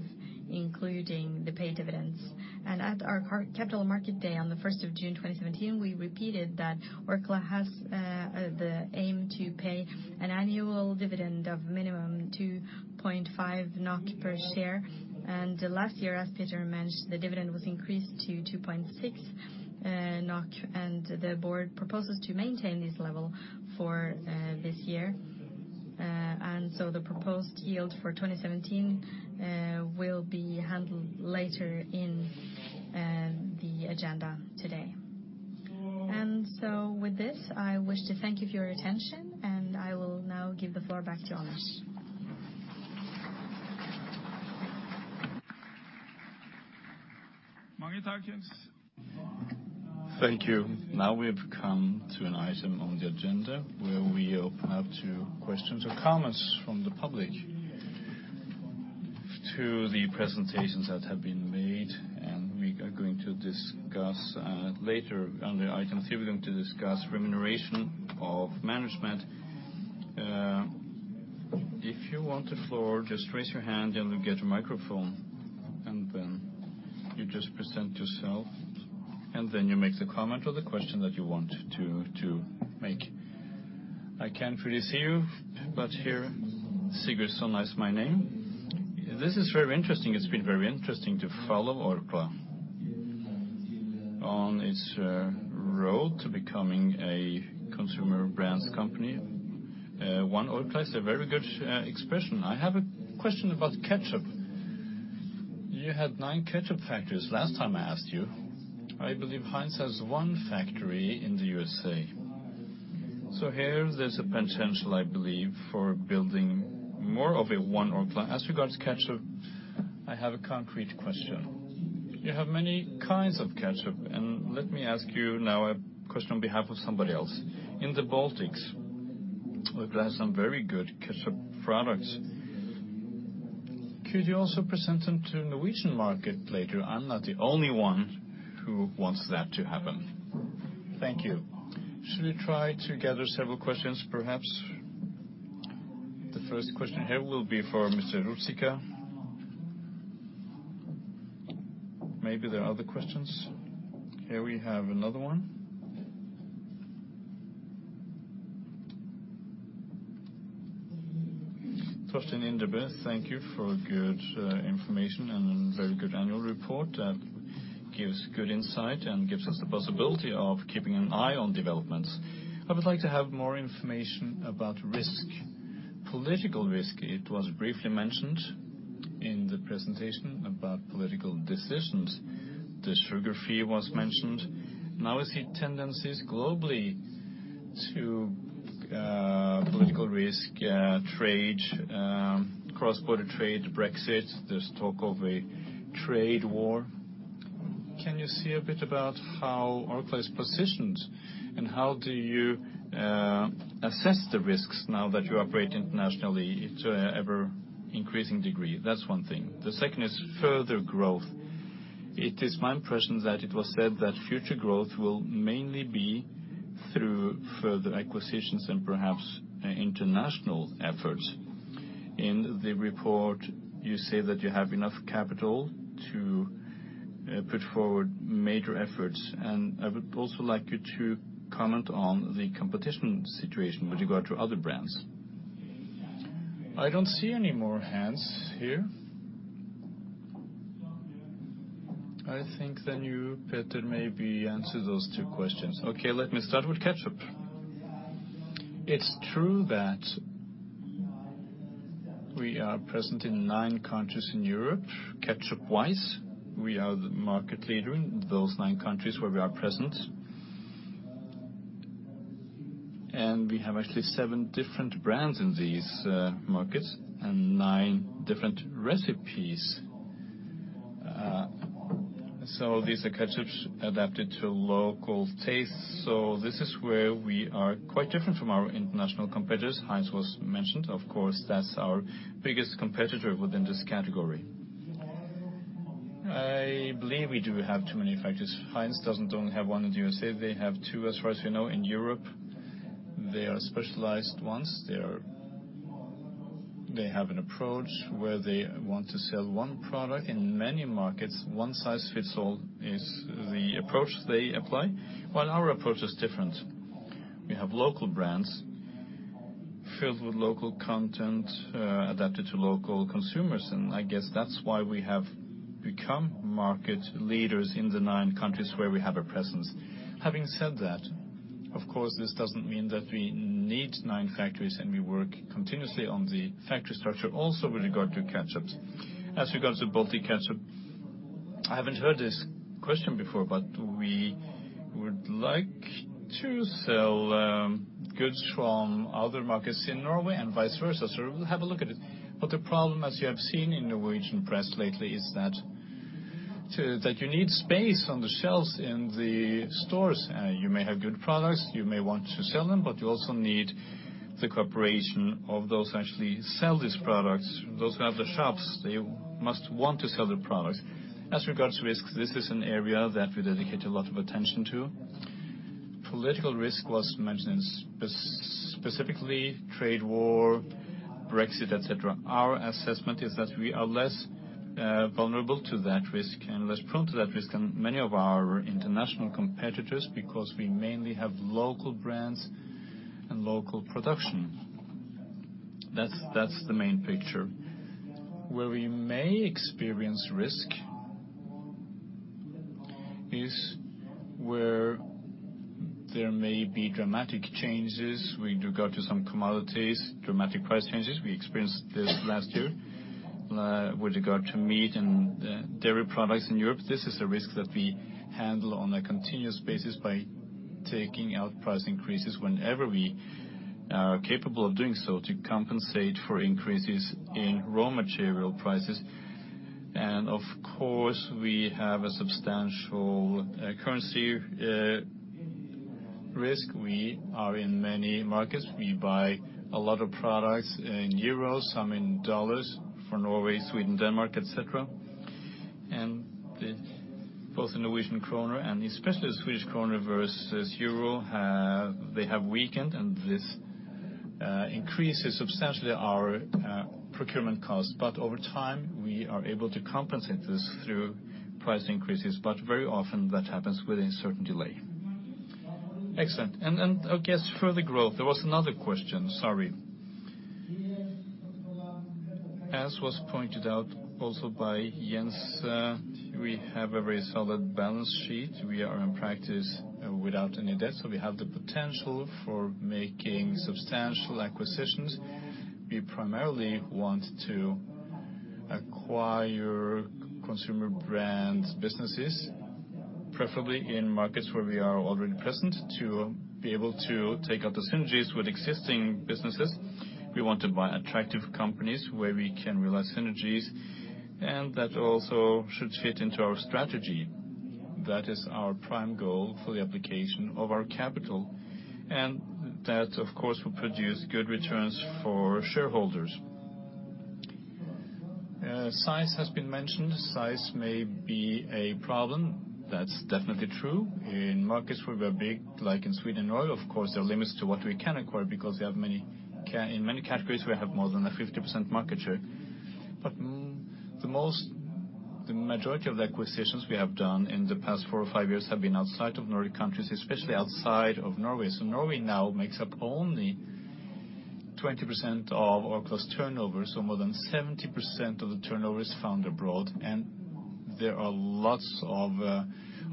including the paid dividends. At our current Capital Market Day on the first of June, 2017, we repeated that Orkla has the aim to pay an annual dividend of minimum 2.5 NOK per share. And last year, as Peter mentioned, the dividend was increased to 2.6 NOK, and the board proposes to maintain this level for this year. And so the proposed yield for 2017 will be handled later in the agenda today. And so with this, I wish to thank you for your attention, and I will now give the floor back to Anders. Thank you. Now we have come to an item on the agenda, where we open up to questions or comments from the public to the presentations that have been made, and we are going to discuss later. Under Item 3, we're going to discuss remuneration of management. If you want the floor, just raise your hand and you'll get a microphone, and then you just present yourself, and then you make the comment or the question that you want to make. I can't really see you, but here, Sigrid Sønnesyn my name. This is very interesting. It's been very interesting to follow Orkla on its road to becoming a consumer brands company. One Orkla is a very good expression. I have a question about ketchup. You had nine ketchup factories last time I asked you. I believe Heinz has one factory in the U.S.A. So here, there's a potential, I believe, for building more of a One Orkla. As regards to ketchup, I have a concrete question. You have many kinds of ketchup, and let me ask you now a question on behalf of somebody else. In the Baltics, Orkla has some very good ketchup products. Could you also present them to Norwegian market later? I'm not the only one who wants that to happen. Thank you. Should we try to gather several questions, perhaps? The first question here will be for Mr. Ruzicka. Maybe there are other questions. Here we have another one. Torstein Indrebø. Thank you for good information and a very good annual report that gives good insight and gives us the possibility of keeping an eye on developments. I would like to have more information about risk. Political risk, it was briefly mentioned in the presentation about political decisions. The sugar fee was mentioned. Now, I see tendencies globally to, political risk, trade, cross-border trade, Brexit. There's talk of a trade war. Can you see a bit about how Orkla is positioned, and how do you, assess the risks now that you operate internationally to an ever-increasing degree? That's one thing. The second is further growth. It is my impression that it was said that future growth will mainly be through further acquisitions and perhaps international efforts. In the report, you say that you have enough capital to, put forward major efforts, and I would also like you to comment on the competition situation with regard to other brands. I don't see any more hands here. I think then you, Peter, maybe answer those two questions. Okay, let me start with ketchup. It's true that we are present in nine countries in Europe, ketchup-wise. We are the market leader in those nine countries where we are present. And we have actually seven different brands in these markets and nine different recipes. So these are ketchups adapted to local tastes, so this is where we are quite different from our international competitors. Heinz was mentioned. Of course, that's our biggest competitor within this category. I believe we do have too many factories. Heinz doesn't only have one in the U.S.A. They have two, as far as we know, in Europe. They are specialized ones. They have an approach where they want to sell one product in many markets. One size fits all is the approach they apply, while our approach is different. We have local brands filled with local content, adapted to local consumers, and I guess that's why we have become market leaders in the nine countries where we have a presence. Having said that, of course, this doesn't mean that we need nine factories, and we work continuously on the factory structure, also with regard to ketchups. As regards to Baltic ketchup, I haven't heard this question before, but we would like to sell goods from other markets in Norway and vice versa, so we'll have a look at it. But the problem, as you have seen in Norwegian press lately, is that you need space on the shelves in the stores. You may have good products, you may want to sell them, but you also need-... The cooperation of those who actually sell these products, those who have the shops, they must want to sell the products. As regards to risk, this is an area that we dedicate a lot of attention to. Political risk was mentioned, specifically trade war, Brexit, et cetera. Our assessment is that we are less vulnerable to that risk and less prone to that risk than many of our international competitors, because we mainly have local brands and local production. That's the main picture. Where we may experience risk is where there may be dramatic changes with regard to some commodities, dramatic price changes. We experienced this last year with regard to meat and dairy products in Europe. This is a risk that we handle on a continuous basis by taking out price increases whenever we are capable of doing so, to compensate for increases in raw material prices. And of course, we have a substantial currency risk. We are in many markets. We buy a lot of products in euros, some in dollars for Norway, Sweden, Denmark, et cetera. And both the Norwegian kroner and especially the Swedish kroner versus euro have weakened, and this increases substantially our procurement costs. But over time, we are able to compensate this through price increases, but very often, that happens with a certain delay. Excellent. And I guess further growth, there was another question. Sorry. As was pointed out also by Jens, we have a very solid balance sheet. We are in practice without any debt, so we have the potential for making substantial acquisitions. We primarily want to acquire consumer brand businesses, preferably in markets where we are already present, to be able to take out the synergies with existing businesses. We want to buy attractive companies, where we can realize synergies, and that also should fit into our strategy. That is our prime goal for the application of our capital, and that, of course, will produce good returns for shareholders. Size has been mentioned. Size may be a problem. That's definitely true. In markets where we're big, like in Sweden and Norway, of course, there are limits to what we can acquire, because we have many in many categories, we have more than a 50% market share. The majority of the acquisitions we have done in the past four or five years have been outside of Nordic countries, especially outside of Norway. So Norway now makes up only 20% of Orkla's turnover, so more than 70% of the turnover is found abroad, and there are lots of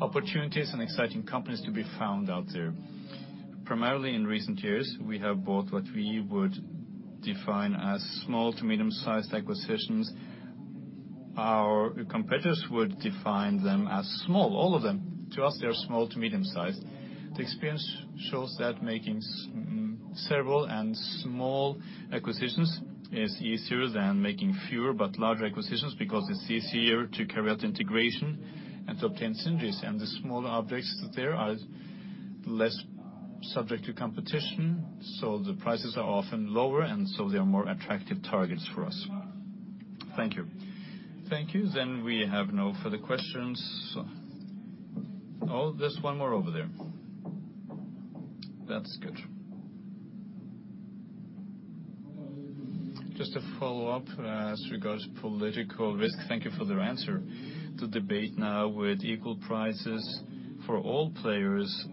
opportunities and exciting companies to be found out there. Primarily, in recent years, we have bought what we would define as small to medium-sized acquisitions. Our competitors would define them as small, all of them. To us, they are small to medium-sized. The experience shows that making several and small acquisitions is easier than making fewer but larger acquisitions, because it's easier to carry out integration and to obtain synergies. The smaller objects there are less subject to competition, so the prices are often lower, and so they are more attractive targets for us. Thank you. Thank you. Then we have no further questions. Oh, there's one more over there. That's good. Just a follow-up as regards to political risk. Thank you for the answer. The debate now with equal prices for all players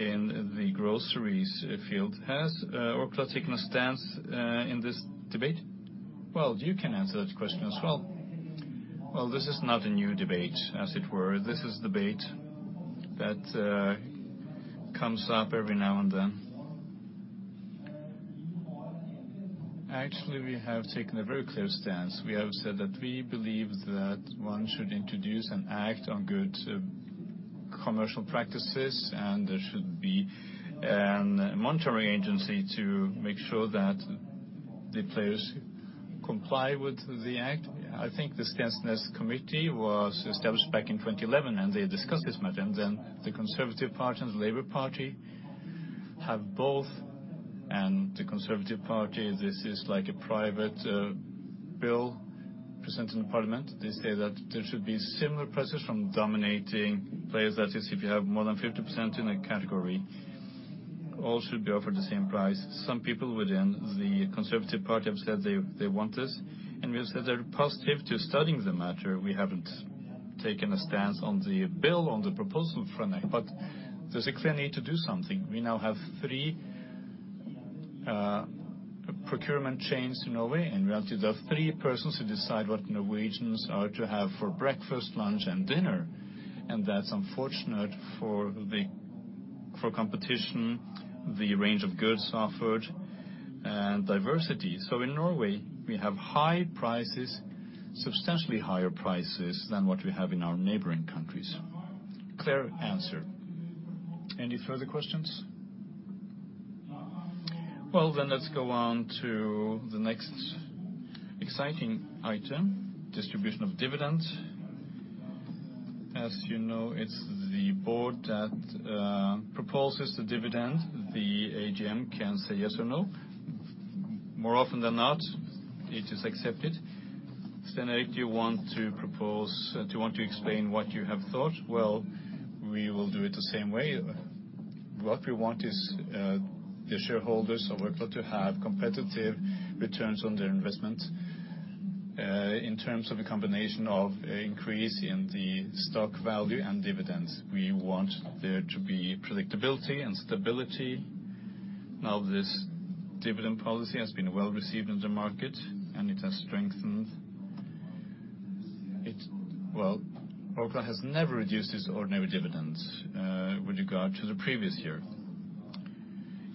in the groceries field has Orkla taken a stance in this debate? Well, you can answer that question as well. This is not a new debate, as it were. This is a debate that comes up every now and then. Actually, we have taken a very clear stance. We have said that we believe that one should introduce and act on good commercial practices, and there should be a monitoring agency to make sure that the players comply with the act. I think the Standards Committee was established back in 2011, and they discussed this matter. Then, the Conservative Party and the Labour Party have both... The Conservative Party, this is like a private bill presented in parliament. They say that there should be similar pressures from dominating players, that is, if you have more than 50% in a category, all should be offered the same price. Some people within the Conservative Party have said they, they want this, and we have said they're positive to studying the matter. We haven't taken a stance on the bill, on the proposal for now, but there's a clear need to do something. We now have three procurement chains in Norway. In reality, there are three persons who decide what Norwegians are to have for breakfast, lunch, and dinner. That's unfortunate for the competition, the range of goods offered, and diversity. In Norway, we have high prices, substantially higher prices than what we have in our neighboring countries. Clear answer. Any further questions? Well, then let's go on to the next exciting item, distribution of dividends. ...As you know, it's the board that proposes the dividend. The AGM can say yes or no. More often than not, it is accepted. Stein Erik, do you want to explain what you have thought? We will do it the same way. What we want is the shareholders of Orkla to have competitive returns on their investment in terms of a combination of increase in the stock value and dividends. We want there to be predictability and stability. Now, this dividend policy has been well received in the market, and it has strengthened. Orkla has never reduced its ordinary dividends with regard to the previous year.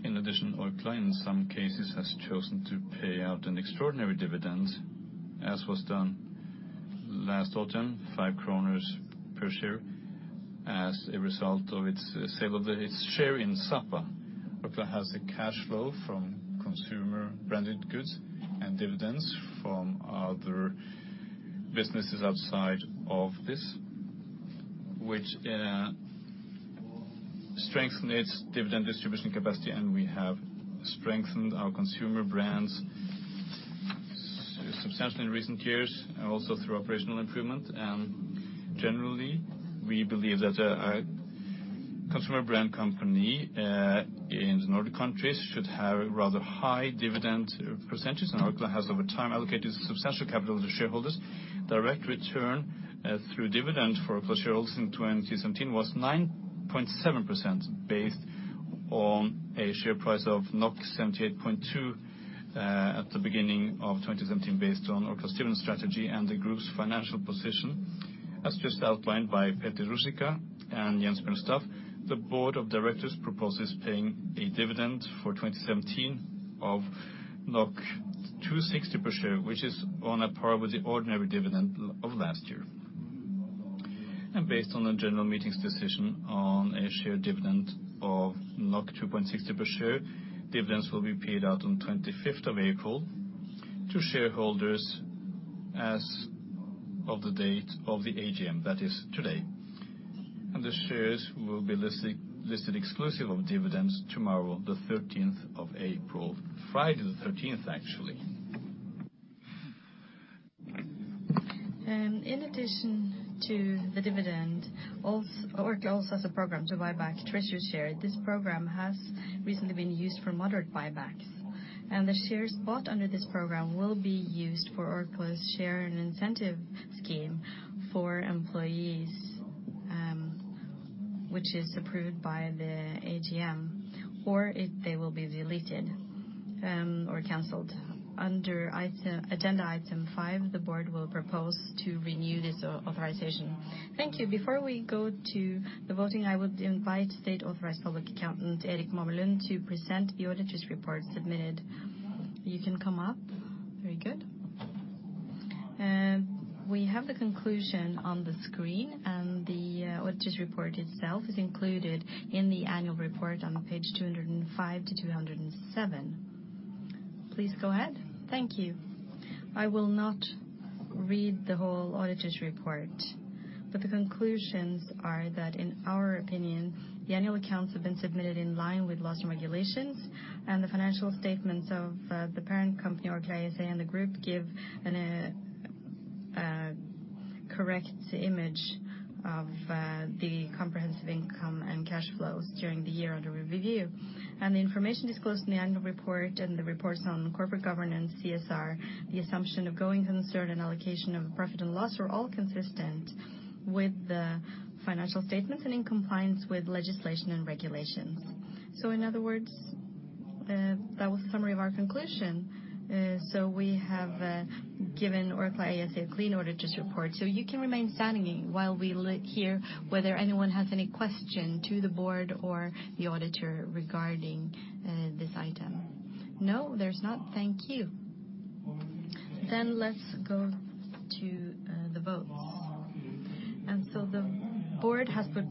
In addition, Orkla, in some cases, has chosen to pay out an extraordinary dividend, as was done last autumn, 5 kroner per share, as a result of its sale of its share in Sapa. Orkla has the cash flow from consumer-branded goods and dividends from other businesses outside of this, which strengthens its dividend distribution capacity, and we have strengthened our consumer brands substantially in recent years, and also through operational improvement. Generally, we believe that a consumer brand company in the Nordic countries should have a rather high dividend percentages, and Orkla has, over time, allocated substantial capital to shareholders. Direct return through dividend for Orkla shareholders in twenty seventeen was 9.7%, based on a share price of 78.2 at the beginning of twenty seventeen, based on Orkla's different strategy and the group's financial position. As just outlined by Peter Ruzicka and Jens Bjørn Staff, the board of directors proposes paying a dividend for 2017 of 2.60 per share, which is on a par with the ordinary dividend of last year. Based on the general meeting's decision on a share dividend of 2.60 per share, dividends will be paid out on twenty-fifth of April to shareholders as of the date of the AGM, that is today. The shares will be listed exclusive of dividends tomorrow, the thirteenth of April, Friday the thirteenth, actually. In addition to the dividend, Orkla also has a program to buy back treasury shares. This program has recently been used for moderate buybacks, and the shares bought under this program will be used for Orkla's share and incentive scheme for employees, which is approved by the AGM, or they will be deleted or canceled. Under agenda Item 5, the board will propose to renew this authorization. Thank you. Before we go to the voting, I would invite state-authorized public accountant, Erik Mamelund, to present the auditor's report submitted. You can come up. Very good. We have the conclusion on the screen, and the auditor's report itself is included in the annual report on page 205-207. Please go ahead. Thank you. I will not read the whole auditor's report, but the conclusions are that, in our opinion, the annual accounts have been submitted in line with laws and regulations, and the financial statements of the parent company, Orkla ASA, and the group give a correct image of the comprehensive income and cash flows during the year under review. And the information disclosed in the annual report and the reports on corporate governance, CSR, the assumption of going concern and allocation of profit and loss, are all consistent with the financial statements and in compliance with legislation and regulations. So in other words, that was the summary of our conclusion. So we have given Orkla ASA a clean auditor's report, so you can remain standing while we let's hear whether anyone has any question to the board or the auditor regarding this item. No, there's not? Thank you. Then let's go to the vote. The board has put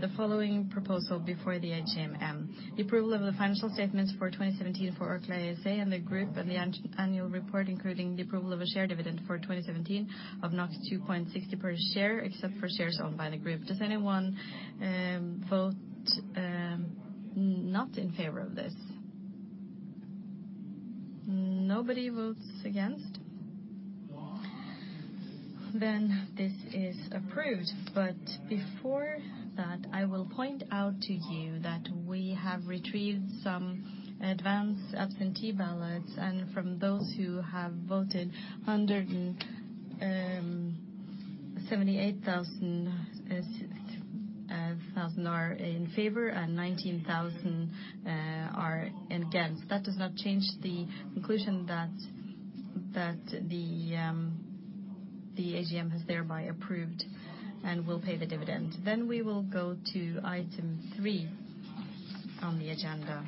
the following proposal before the AGM: the approval of the financial statements for 2017 for Orkla ASA and the group, and the annual report, including the approval of a share dividend for 2017 of 2.60 per share, except for shares owned by the group. Does anyone vote not in favor of this? Nobody votes against. This is approved, but before that, I will point out to you that we have retrieved some advance absentee ballots, and from those who have voted, 178,000 are in favor and 19,000 are against. That does not change the conclusion that the AGM has thereby approved and will pay the dividend. We will go to Item 3 on the agenda.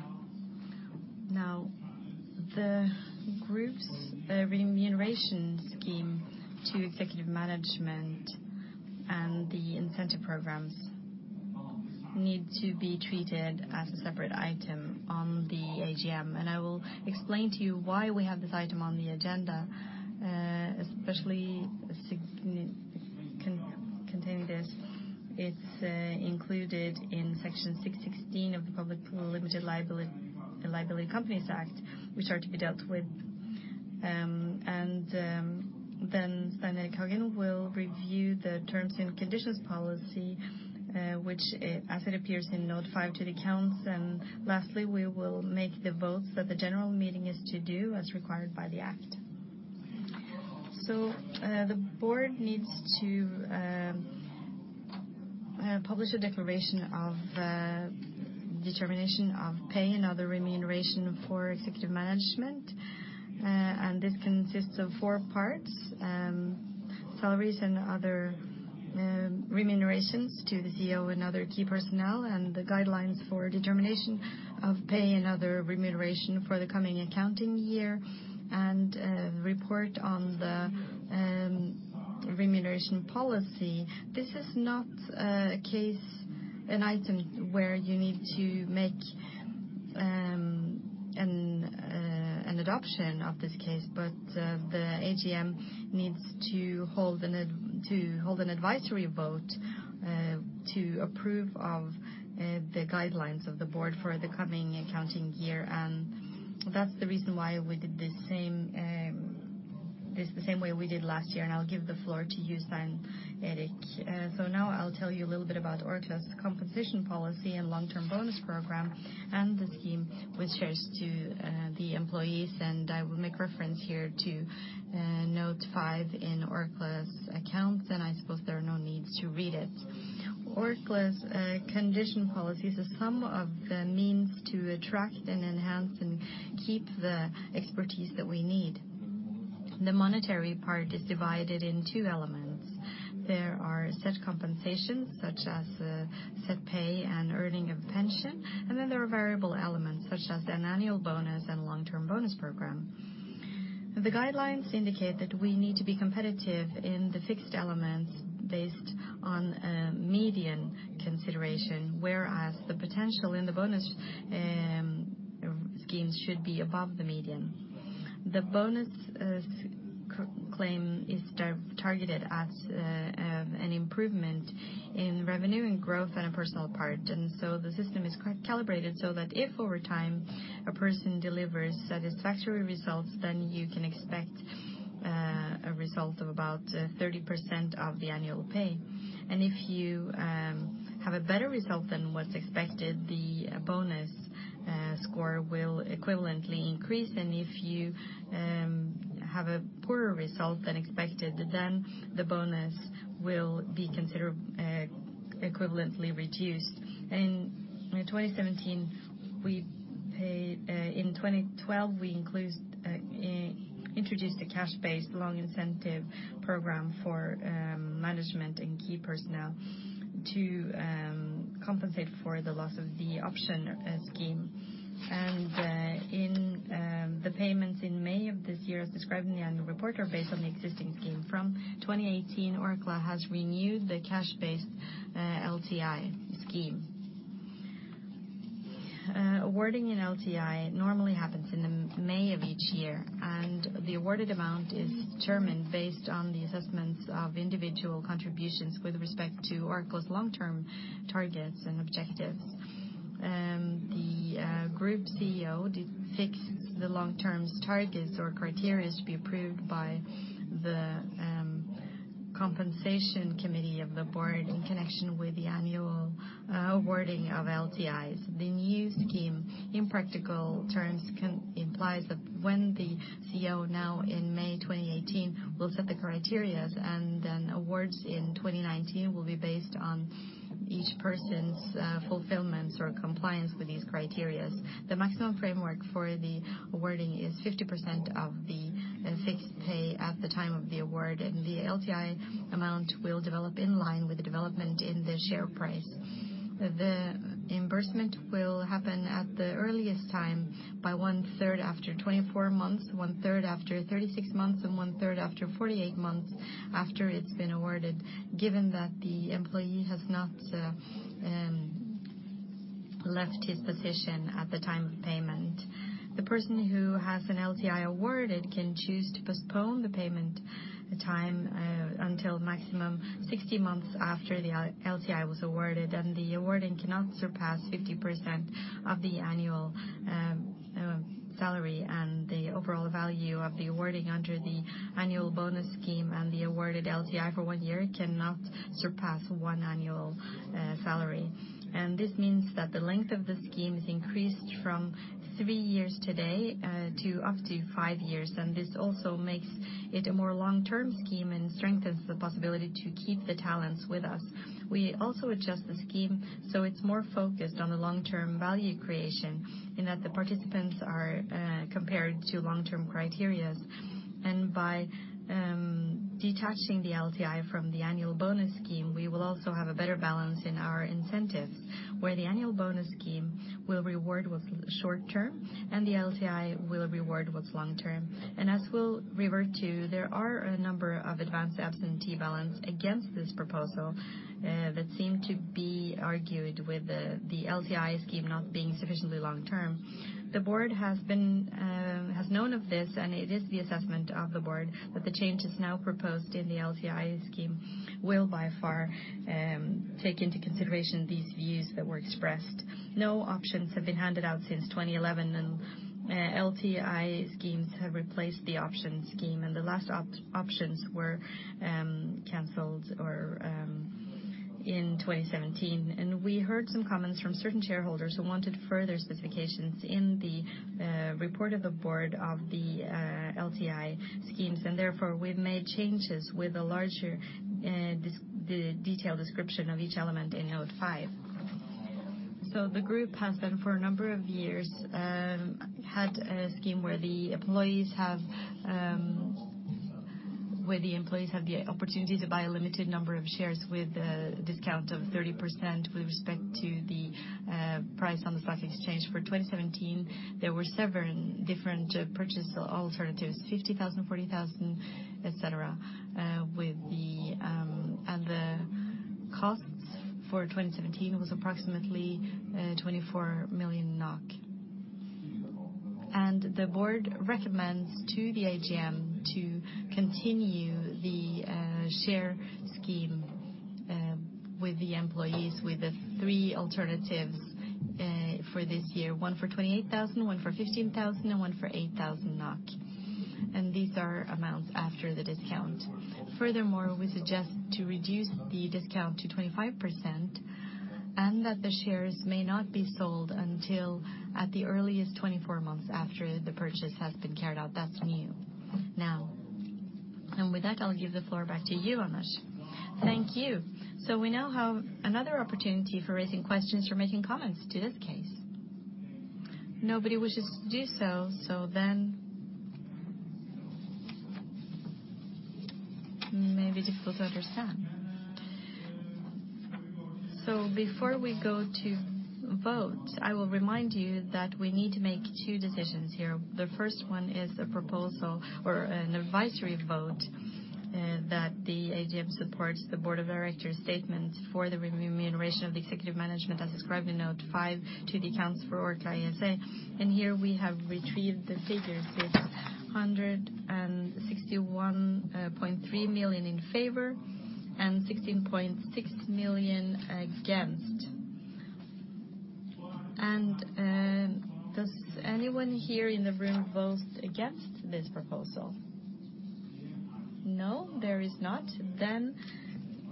Now, the group's remuneration scheme to executive management and the incentive programs need to be treated as a separate item on the AGM, and I will explain to you why we have this item on the agenda, especially specifically containing this. It's included in Section 6-16 of the Public Limited Liability Companies Act, which are to be dealt with. And then Stein Erik Hagen will review the terms and conditions policy, which as it appears in note 5 to the accounts. And lastly, we will make the votes that the general meeting is to do as required by the act. So, the board needs to publish a declaration of determination of pay and other remuneration for executive management. And this consists of four parts: salaries and other remunerations to the CEO and other key personnel, and the guidelines for determination of pay and other remuneration for the coming accounting year, and report on the remuneration policy. This is not a case, an item where you need to make an adoption of this case, but the AGM needs to hold an advisory vote to approve of the guidelines of the board for the coming accounting year. And that's the reason why we did the same, this the same way we did last year, and I'll give the floor to you, Stein Erik. So now I'll tell you a little bit about Orkla's compensation policy and long-term bonus program, and the scheme with shares to the employees. I will make reference here to note five in Orkla's accounts, and I suppose there are no needs to read it. Orkla's compensation policies are some of the means to attract and enhance and keep the expertise that we need. The monetary part is divided in two elements. There are set compensations, such as set pay and earning of pension, and then there are variable elements, such as an annual bonus and long-term bonus program. The guidelines indicate that we need to be competitive in the fixed elements based on median consideration, whereas the potential in the bonus scheme should be above the median. The bonus claim is targeted at an improvement in revenue and growth on a personal part. The system is calibrated so that if over time, a person delivers satisfactory results, then you can expect a result of about 30% of the annual pay. If you have a better result than what's expected, the bonus score will equivalently increase. If you have a poorer result than expected, then the bonus will be considered equivalently reduced. In 2012, we introduced a cash-based long-term incentive program for management and key personnel to compensate for the loss of the option scheme. The payments in May of this year, as described in the annual report, are based on the existing scheme. From 2018, Orkla has renewed the cash-based LTI scheme. Awarding an LTI normally happens in May of each year, and the awarded amount is determined based on the assessments of individual contributions with respect to Orkla's long-term targets and objectives. The Group CEO does fix the long-term targets or criteria to be approved by the Compensation Committee of the board in connection with the annual awarding of LTIs. The new scheme, in practical terms, can imply that when the CEO, now in May 2018, will set the criteria, and then awards in 2019 will be based on each person's fulfillment or compliance with these criteria. The maximum framework for the awarding is 50% of the fixed pay at the time of the award, and the LTI amount will develop in line with the development in the share price. The reimbursement will happen at the earliest time, by one-third after twenty-four months, one-third after thirty-six months, and one-third after forty-eight months after it's been awarded, given that the employee has not left his position at the time of payment. The person who has an LTI awarded can choose to postpone the payment, the time, until maximum sixty months after the LTI was awarded, and the awarding cannot surpass 50% of the annual salary. And the overall value of the awarding under the annual bonus scheme and the awarded LTI for one year cannot surpass one annual salary. And this means that the length of the scheme is increased from three years today to up to five years, and this also makes it a more long-term scheme and strengthens the possibility to keep the talents with us. We also adjust the scheme so it's more focused on the long-term value creation, in that the participants are compared to long-term criteria. And by detaching the LTI from the annual bonus scheme, we will also have a better balance in our incentives, where the annual bonus scheme will reward what's short-term, and the LTI will reward what's long-term. And as we'll revert to, there are a number of advance absentee ballots against this proposal that seem to be argued with the LTI scheme not being sufficiently long-term. The board has known of this, and it is the assessment of the board that the changes now proposed in the LTI scheme will by far take into consideration these views that were expressed. No options have been handed out since 2011, and LTI schemes have replaced the option scheme, and the last options were canceled or in 2017. We heard some comments from certain shareholders who wanted further specifications in the report of the board of the LTI schemes, and therefore, we've made changes with a larger detailed description of each element in note 5. The group has been, for a number of years, had a scheme where the employees have the opportunity to buy a limited number of shares with a discount of 30% with respect to the price on the stock exchange. For 2017, there were several different purchase alternatives, 50,000, 40,000, et cetera, with the and the costs for 2017 was approximately 24 million NOK. The board recommends to the AGM to continue the share scheme with the employees with the three alternatives for this year, one for 28,000, one for 15,000, and one for 8,000 NOK. These are amounts after the discount. Furthermore, we suggest to reduce the discount to 25%, and that the shares may not be sold until at the earliest 24 months after the purchase has been carried out. That's new. Now, and with that, I'll give the floor back to you, Anders. Thank you. We now have another opportunity for raising questions or making comments to this case. Nobody wishes to do so, so then. Maybe difficult to understand. So before we go to vote, I will remind you that we need to make two decisions here. The first one is a proposal or an advisory vote that the AGM supports the board of directors' statements for the remuneration of the executive management as described in note five to the accounts for Orkla ASA. And here we have retrieved the figures, with 161.3 million in favor and 16.6 million against. And does anyone here in the room vote against this proposal? No, there is not. Then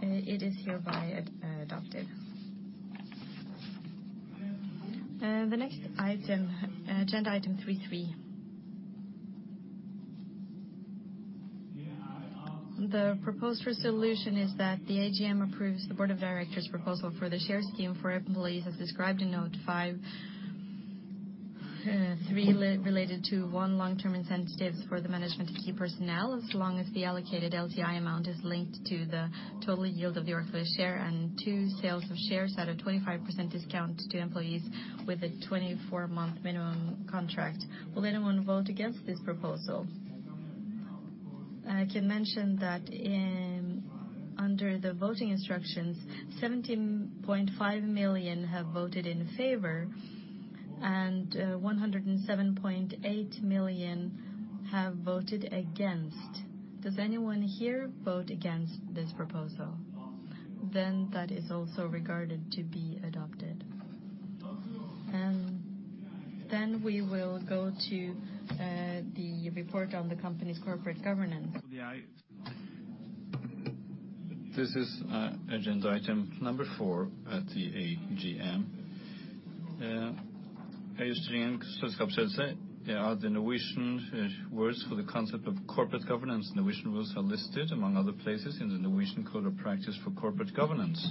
it is hereby adopted. The next item, agenda Item 3.3. The proposed resolution is that the AGM approves the board of directors' proposal for the share scheme for employees, as described in note five, three related to, one, long-term incentives for the management of key personnel, as long as the allocated LTI amount is linked to the total yield of the Orkla share, and two, sales of shares at a 25% discount to employees with a 24-month minimum contract. Will anyone vote against this proposal? I can mention that in under the voting instructions, 17.5 million have voted in favor, and, one hundred and seven point eight million have voted against. Does anyone here vote against this proposal? Then that is also regarded to be adopted. Then we will go to, the report on the company's corporate governance. This is agenda Item 4 at the AGM. There are the Norwegian words for the concept of corporate governance. Norwegian words are listed, among other places, in the Norwegian Code of Practice for Corporate Governance.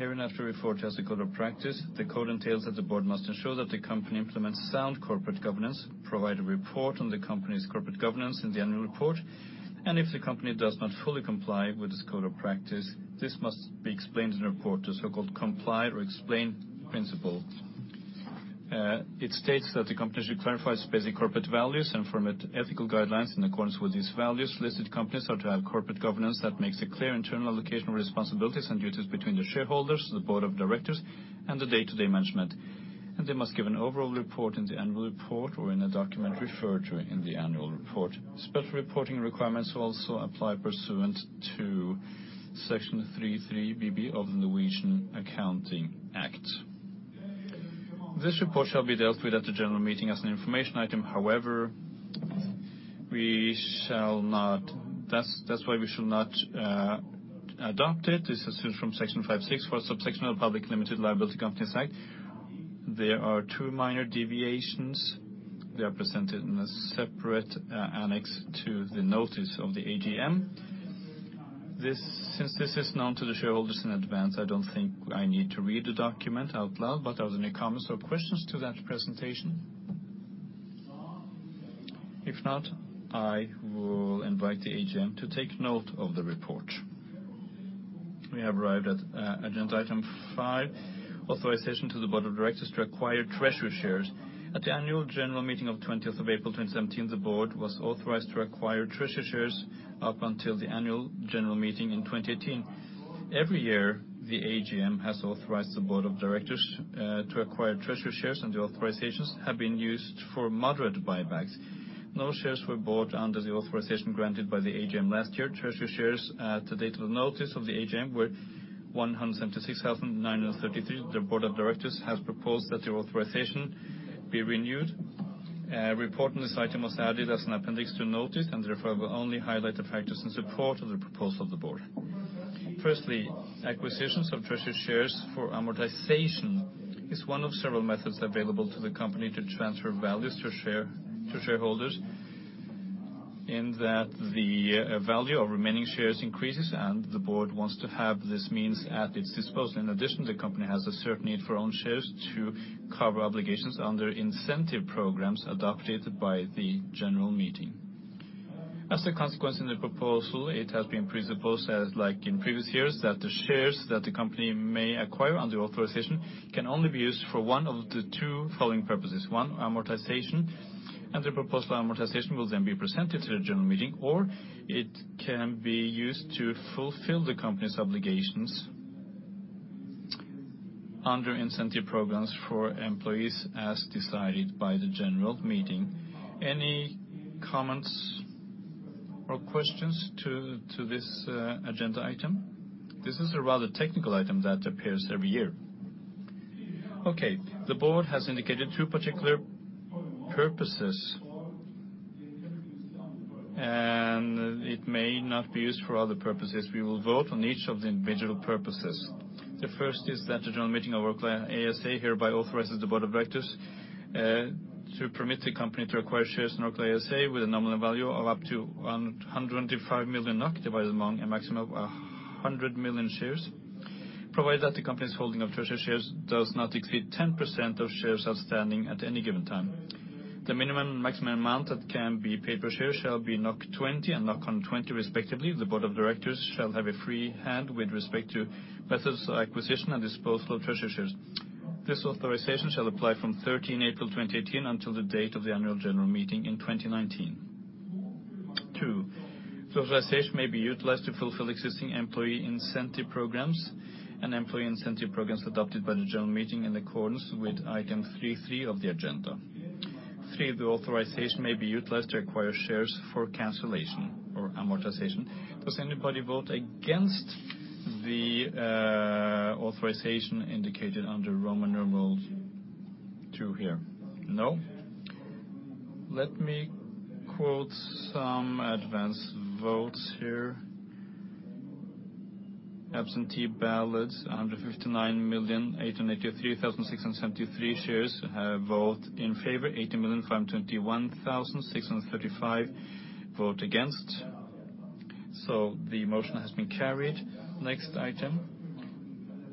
Hereinafter, we refer to as the Code of Practice. The code entails that the board must ensure that the company implements sound corporate governance, provide a report on the company's corporate governance in the annual report, and if the company does not fully comply with this code of practice, this must be explained in a report, the so-called Comply or Explain principle. It states that the company should clarify its basic corporate values and form ethical guidelines in accordance with these values. Listed companies are to have corporate governance that makes a clear internal allocation of responsibilities and duties between the shareholders, the board of directors, and the day-to-day management, and they must give an overall report in the annual report or in a document referred to in the annual report. Special reporting requirements will also apply pursuant to Section 3-3b of the Norwegian Accounting Act. This report shall be dealt with at the general meeting as an information item. However, we shall not. That's, that's why we shall not adopt it. This is from Section 5-6(4) subsection of Public Limited Liability Companies Act. There are two minor deviations. They are presented in a separate annex to the notice of the AGM. This, since this is known to the shareholders in advance, I don't think I need to read the document out loud, but are there any comments or questions to that presentation? If not, I will invite the AGM to take note of the report. We have arrived at agenda Item 5, authorization to the Board of Directors to acquire treasury shares. At the Annual General Meeting of twentieth of April, 2017, the Board was authorized to acquire treasury shares up until the Annual General Meeting in 2018. Every year, the AGM has authorized the Board of Directors to acquire treasury shares, and the authorizations have been used for moderate buybacks. No shares were bought under the authorization granted by the AGM last year. Treasury shares, to date, of the notice of the AGM, were one hundred and seventy-six thousand nine hundred and thirty-three. The Board of Directors has proposed that the authorization be renewed. A report on this item was added as an appendix to notice, and therefore will only highlight the factors in support of the proposal of the board. Firstly, acquisitions of treasury shares for amortization is one of several methods available to the company to transfer values to shareholders, in that the value of remaining shares increases, and the board wants to have this means at its disposal. In addition, the company has a certain need for own shares to cover obligations under incentive programs adopted by the general meeting. As a consequence, in the proposal, it has been proposed, as like in previous years, that the shares that the company may acquire under authorization can only be used for one of the two following purposes: one, amortization, and the proposal amortization will then be presented to the general meeting, or it can be used to fulfill the company's obligations under incentive programs for employees, as decided by the general meeting. Any comments or questions to this agenda item? This is a rather technical item that appears every year. Okay. The Board has indicated two particular purposes, and it may not be used for other purposes. We will vote on each of the individual purposes. The first is that the general meeting of Orkla ASA hereby authorizes the Board of Directors to permit the company to acquire shares in Orkla ASA with a nominal value of up to 125 million NOK, divided among a maximum of 100 million shares, provided that the company's holding of treasury shares does not exceed 10% of shares outstanding at any given time. The minimum maximum amount that can be paid per share shall be 20 and 120, respectively. The Board of Directors shall have a free hand with respect to methods of acquisition and disposal of treasury shares. This authorization shall apply from 13 April 2018, until the date of the Annual General Meeting in 2019. Two, the authorization may be utilized to fulfill existing employee incentive programs and employee incentive programs adopted by the general meeting in accordance with Item 3.3 of the agenda. Three, the authorization may be utilized to acquire shares for cancellation or amortization. Does anybody vote against the authorization indicated under Roman numeral two here? No. Let me quote some advance votes here. Absentee ballots, 159,883,673 shares have voted in favor. 80,521,635 vote against. So the motion has been carried. Next item.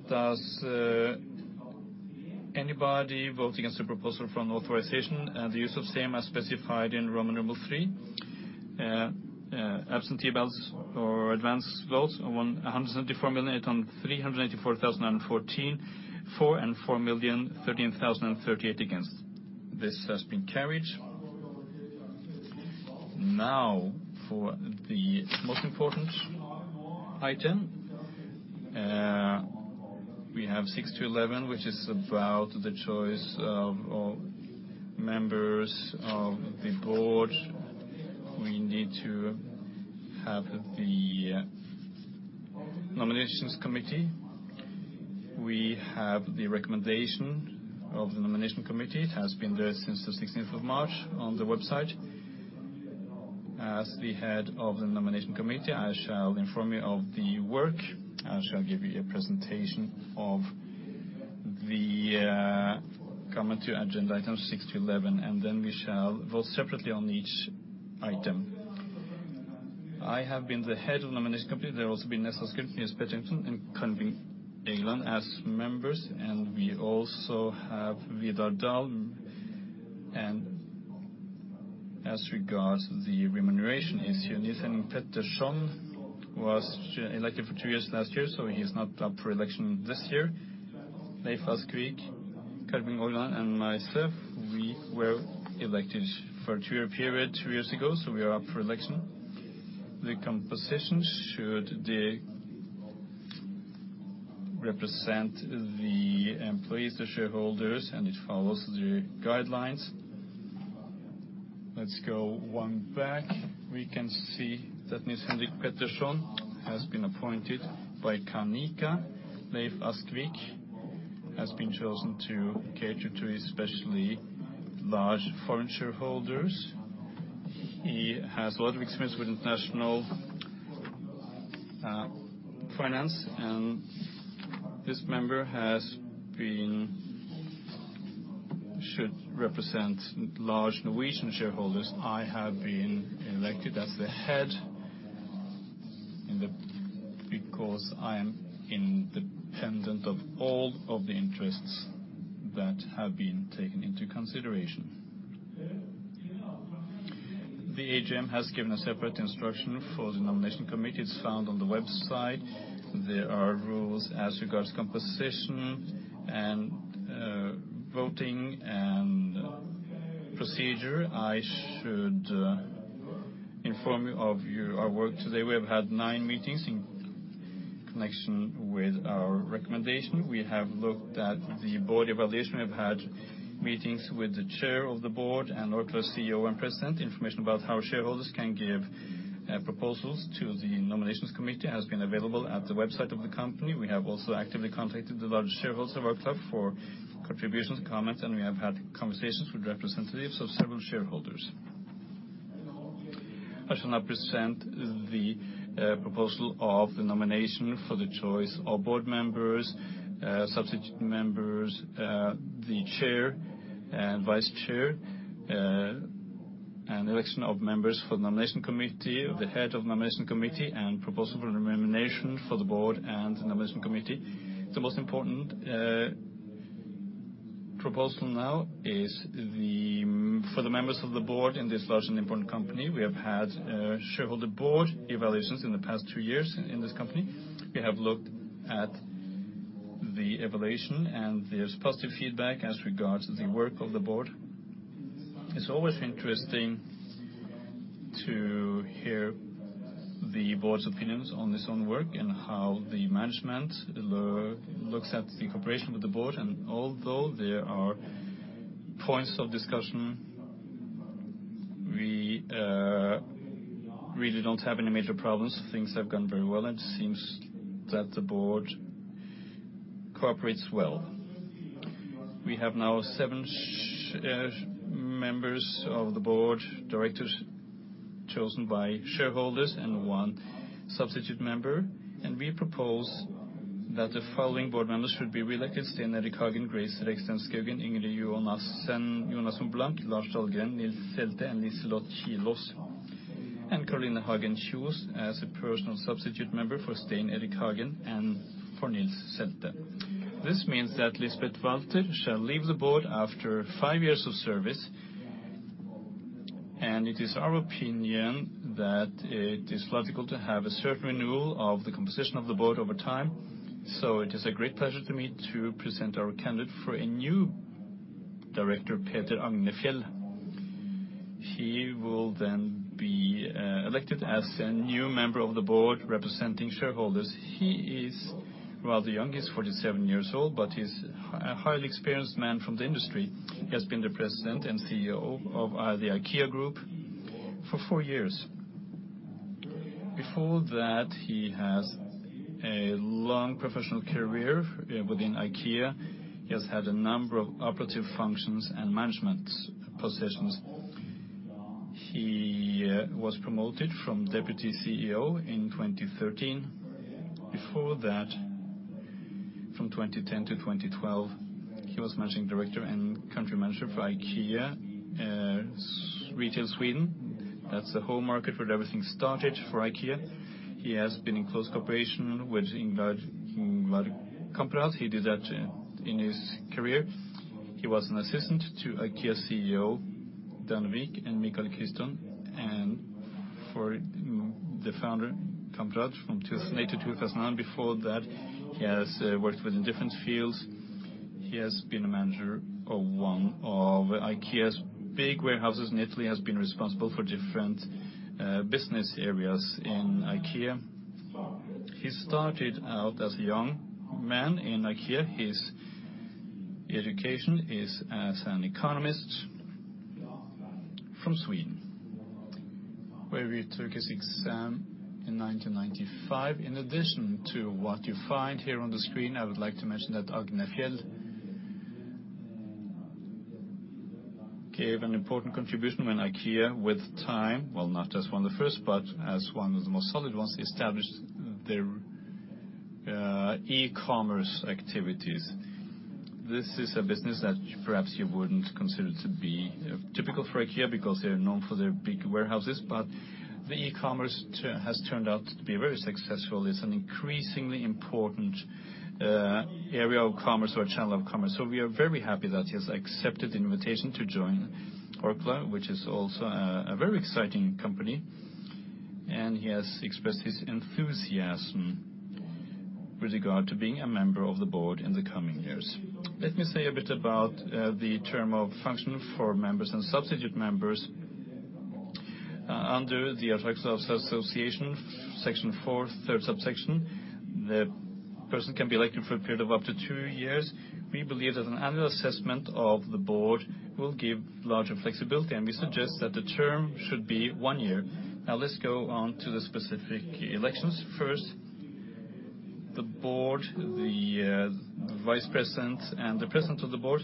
Does anybody vote against the proposal from the authorization and the use of same as specified in Roman numeral three? Absentee ballots or advance votes, a hundred and seventy-four million, three hundred and eighty-four thousand and fourteen, four and four million, thirteen thousand and thirty-eight against. This has been carried. Now, for the most important Item, we have 6 to 11, which is about the choice of members of the board. We need to have the Nomination Committee. We have the recommendation of the Nomination Committee. It has been there since the sixteenth of March on the website. As the head of the Nomination Committee, I shall inform you of the work. I shall give you a presentation of the coming to agenda Item 6 to 11, and then we shall vote separately on each item. I have been the head of the Nomination Committee. There has been Leif Askvig, Nils-Henrik Pettersson, and Karin Bing Orgland as members, and we also have Vidar Dahl. As regards the remuneration issue, Nils-Henrik Pettersson was elected for two years last year, so he's not up for election this year. Leif Askvig, Karin Ørgland, and myself, we were elected for a two-year period two years ago, so we are up for election. The composition should represent the employees, the shareholders, and it follows the guidelines. Let's go one back. We can see that Nils-Henrik Pettersson has been appointed by the employees. Leif Askvig has been chosen to cater to the especially large foreign shareholders. He has a lot of experience with international finance, and this member should represent large Norwegian shareholders. I have been elected as the head of the, because I am independent of all of the interests that have been taken into consideration. The AGM has given a separate instruction for the Nomination Committee. It's found on the website. There are rules as regards composition and, voting and procedure. I should inform you of our work today. We have had nine meetings in connection with our recommendation. We have looked at the board evaluation. We've had meetings with the chair of the board and Orkla CEO and president. Information about how shareholders can give, proposals to the nominations committee has been available at the website of the company. We have also actively contacted the large shareholders of Orkla for contributions, comments, and we have had conversations with representatives of several shareholders. I shall now present the, proposal of the nomination for the choice of board members, substitute members, the chair and vice chair, and election of members for the Nomination Committee, the head of Nomination Committee, and proposal for the nomination for the board and the Nomination Committee. The most important proposal now is for the members of the board in this large and important company. We have had shareholder board evaluations in the past two years in this company. We have looked at the evaluation, and there's positive feedback as regards the work of the board. It's always interesting to hear the board's opinions on this own work and how the management looks at the cooperation with the board. And although there are points of discussion, we really don't have any major problems. Things have gone very well, and it seems that the board cooperates well. We have now seven members of the board of directors chosen by shareholders and one substitute member, and we propose that the following board members should be reelected: Stein Erik Hagen, Grace Reksten Skaugen, Ingrid Jonasson Blank, Lars Dahlgren, Nils Selte, and Liselott Kilaas, and Caroline Hagen Kjos as a personal substitute member for Stein Erik Hagen and for Nils Selte. This means that Lisbeth Valther shall leave the board after five years of service, and it is our opinion that it is logical to have a certain renewal of the composition of the board over time. So it is a great pleasure to me to present our candidate for a new director, Peter Agnefjäll. He will then be elected as a new member of the board representing shareholders. He is rather young. He is forty-seven years old, but he is a highly experienced man from the industry. He has been the president and CEO of the IKEA Group for four years. Before that, he has a long professional career within IKEA. He has had a number of operative functions and management positions. He was promoted from deputy CEO in 2013. Before that, from 2010 to 2012, he was managing director and country manager for IKEA Retail Sweden. That's the home market where everything started for IKEA. He has been in close cooperation with Ingvar, Ingvar Kamprad. He did that in his career. He was an assistant to IKEA CEO Anders Dahlvig and Mikael Ohlsson, and for the founder, Kamprad, from 2008 to 2009. Before that, he has worked within different fields. He has been a manager of one of IKEA's big warehouses in Italy, has been responsible for different business areas in IKEA. He started out as a young man in IKEA. His education is as an economist from Sweden, where he took his exam in nineteen ninety-five. In addition to what you find here on the screen, I would like to mention that Agnefjäll gave an important contribution when IKEA, with time, well, not as one of the first, but as one of the most solid ones, established their e-commerce activities. This is a business that perhaps you wouldn't consider to be typical for IKEA because they are known for their big warehouses, but the e-commerce has turned out to be very successful. It's an increasingly important area of commerce or channel of commerce, so we are very happy that he has accepted the invitation to join Orkla, which is also a very exciting company, and he has expressed his enthusiasm with regard to being a member of the board in the coming years. Let me say a bit about the term of function for members and substitute members. Under the Articles of Association, Section 4, third subsection, the person can be elected for a period of up to two years. We believe that an annual assessment of the board will give larger flexibility, and we suggest that the term should be one year. Now, let's go on to the specific elections. First, the board, the vice president, and the president of the board?...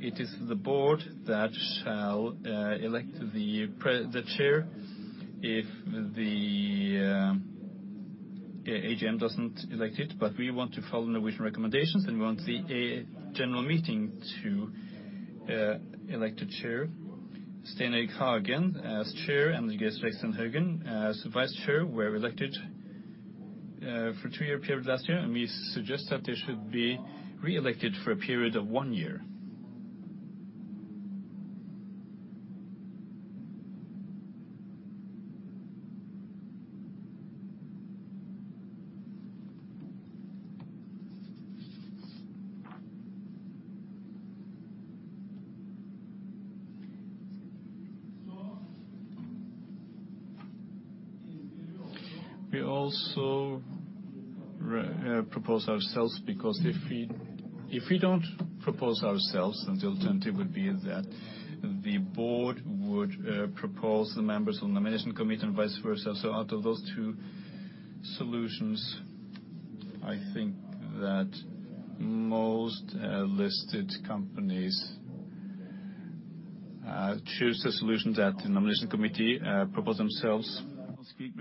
It is the board that shall elect the chair, if the AGM doesn't elect it. But we want to follow the Norwegian recommendations, and we want the general meeting to elect a chair. Stein Erik Hagen as chair, and Grace Reksten Skaugen as vice chair, were elected for a two-year period last year, and we suggest that they should be re-elected for a period of one year. We also re-propose ourselves, because if we don't propose ourselves, then the alternative would be that the board would propose the members on the Nomination Committee and vice versa. So out of those two solutions, I think that most listed companies choose the solution that the Nomination Committee propose themselves. They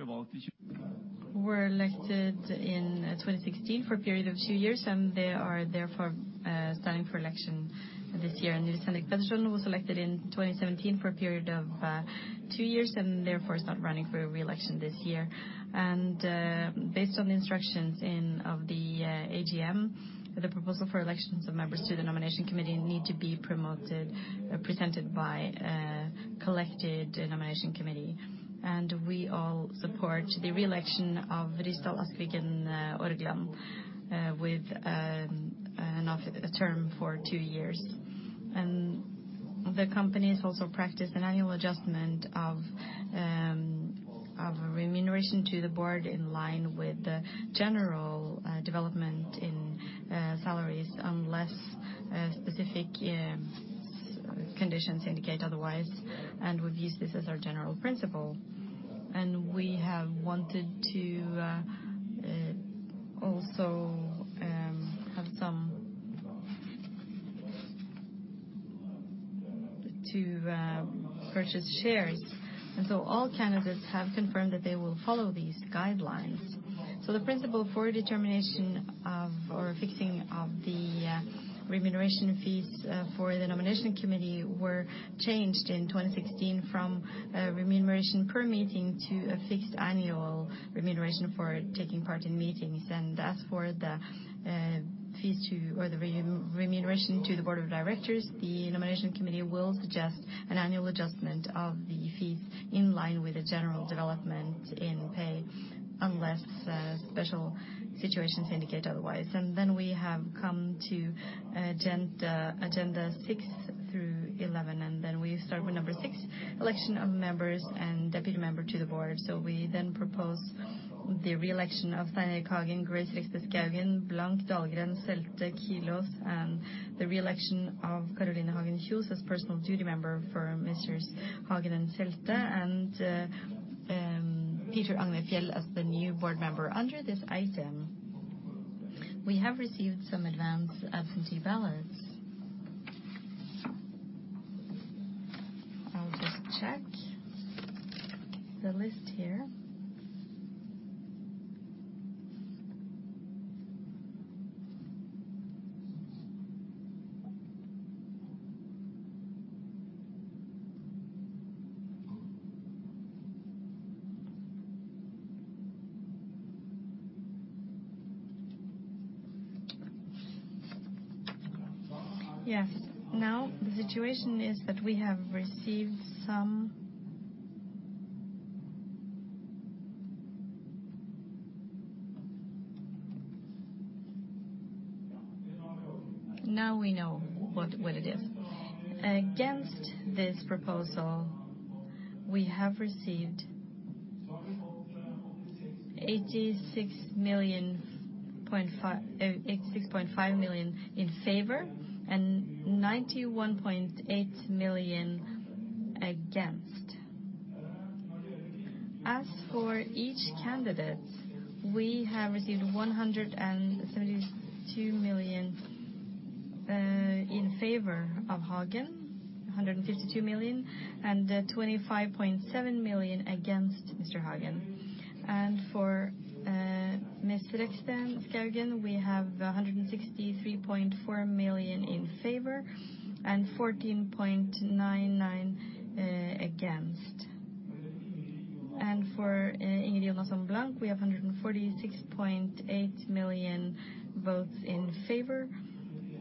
were elected in 2016 for a period of two years, and they are therefore standing for election this year. And Nils Selte was elected in 2017 for a period of two years, and therefore is not running for re-election this year. And based on the instructions of the AGM, the proposal for elections of members to the Nomination Committee need to be presented by a collected Nomination Committee. And we all support the re-election of Leif Askvig, Karin Orgland, with a term for two years. And the companies also practice an annual adjustment of remuneration to the board, in line with the general development in salaries, unless specific conditions indicate otherwise, and we've used this as our general principle. And we have wanted to also have some... To purchase shares. And so all candidates have confirmed that they will follow these guidelines. So the principle for determination of, or fixing of the, remuneration fees for the Nomination Committee were changed in 2016, from a remuneration per meeting, to a fixed annual remuneration for taking part in meetings. And as for the fees to, or the remuneration to the Board of Directors, the Nomination Committee will suggest an annual adjustment of the fees, in line with the general development in pay, unless special situations indicate otherwise. And then we have come to agenda six through eleven, and then we start with number six: election of members and deputy member to the Board of Directors. So we then propose the re-election of Stein Erik Hagen, Grace Reksten Skaugen, Blank, Dahlgren, Selte, Kilaas, and the re-election of Caroline Hagen Kjos, as personal deputy member for Messrs. Hagen and Selte, and Peter Agnefjäll as the new board member. Under this item, we have received some advance absentee ballots. I'll just check the list here. Yes, now the situation is that we have received some. Now we know what it is. Against this proposal, we have received 86.5 million in favor, and 91.8 million against. As for each candidate, we have received 172 million in favor of Hagen, 152 million, and 25.7 million against Mr. Hagen. And for Ms. Grace Reksten Skaugen, we have 163.4 million in favor, and 14.99 against. And for Ingrid Jonasson Blank, we have 146.8 million votes in favor,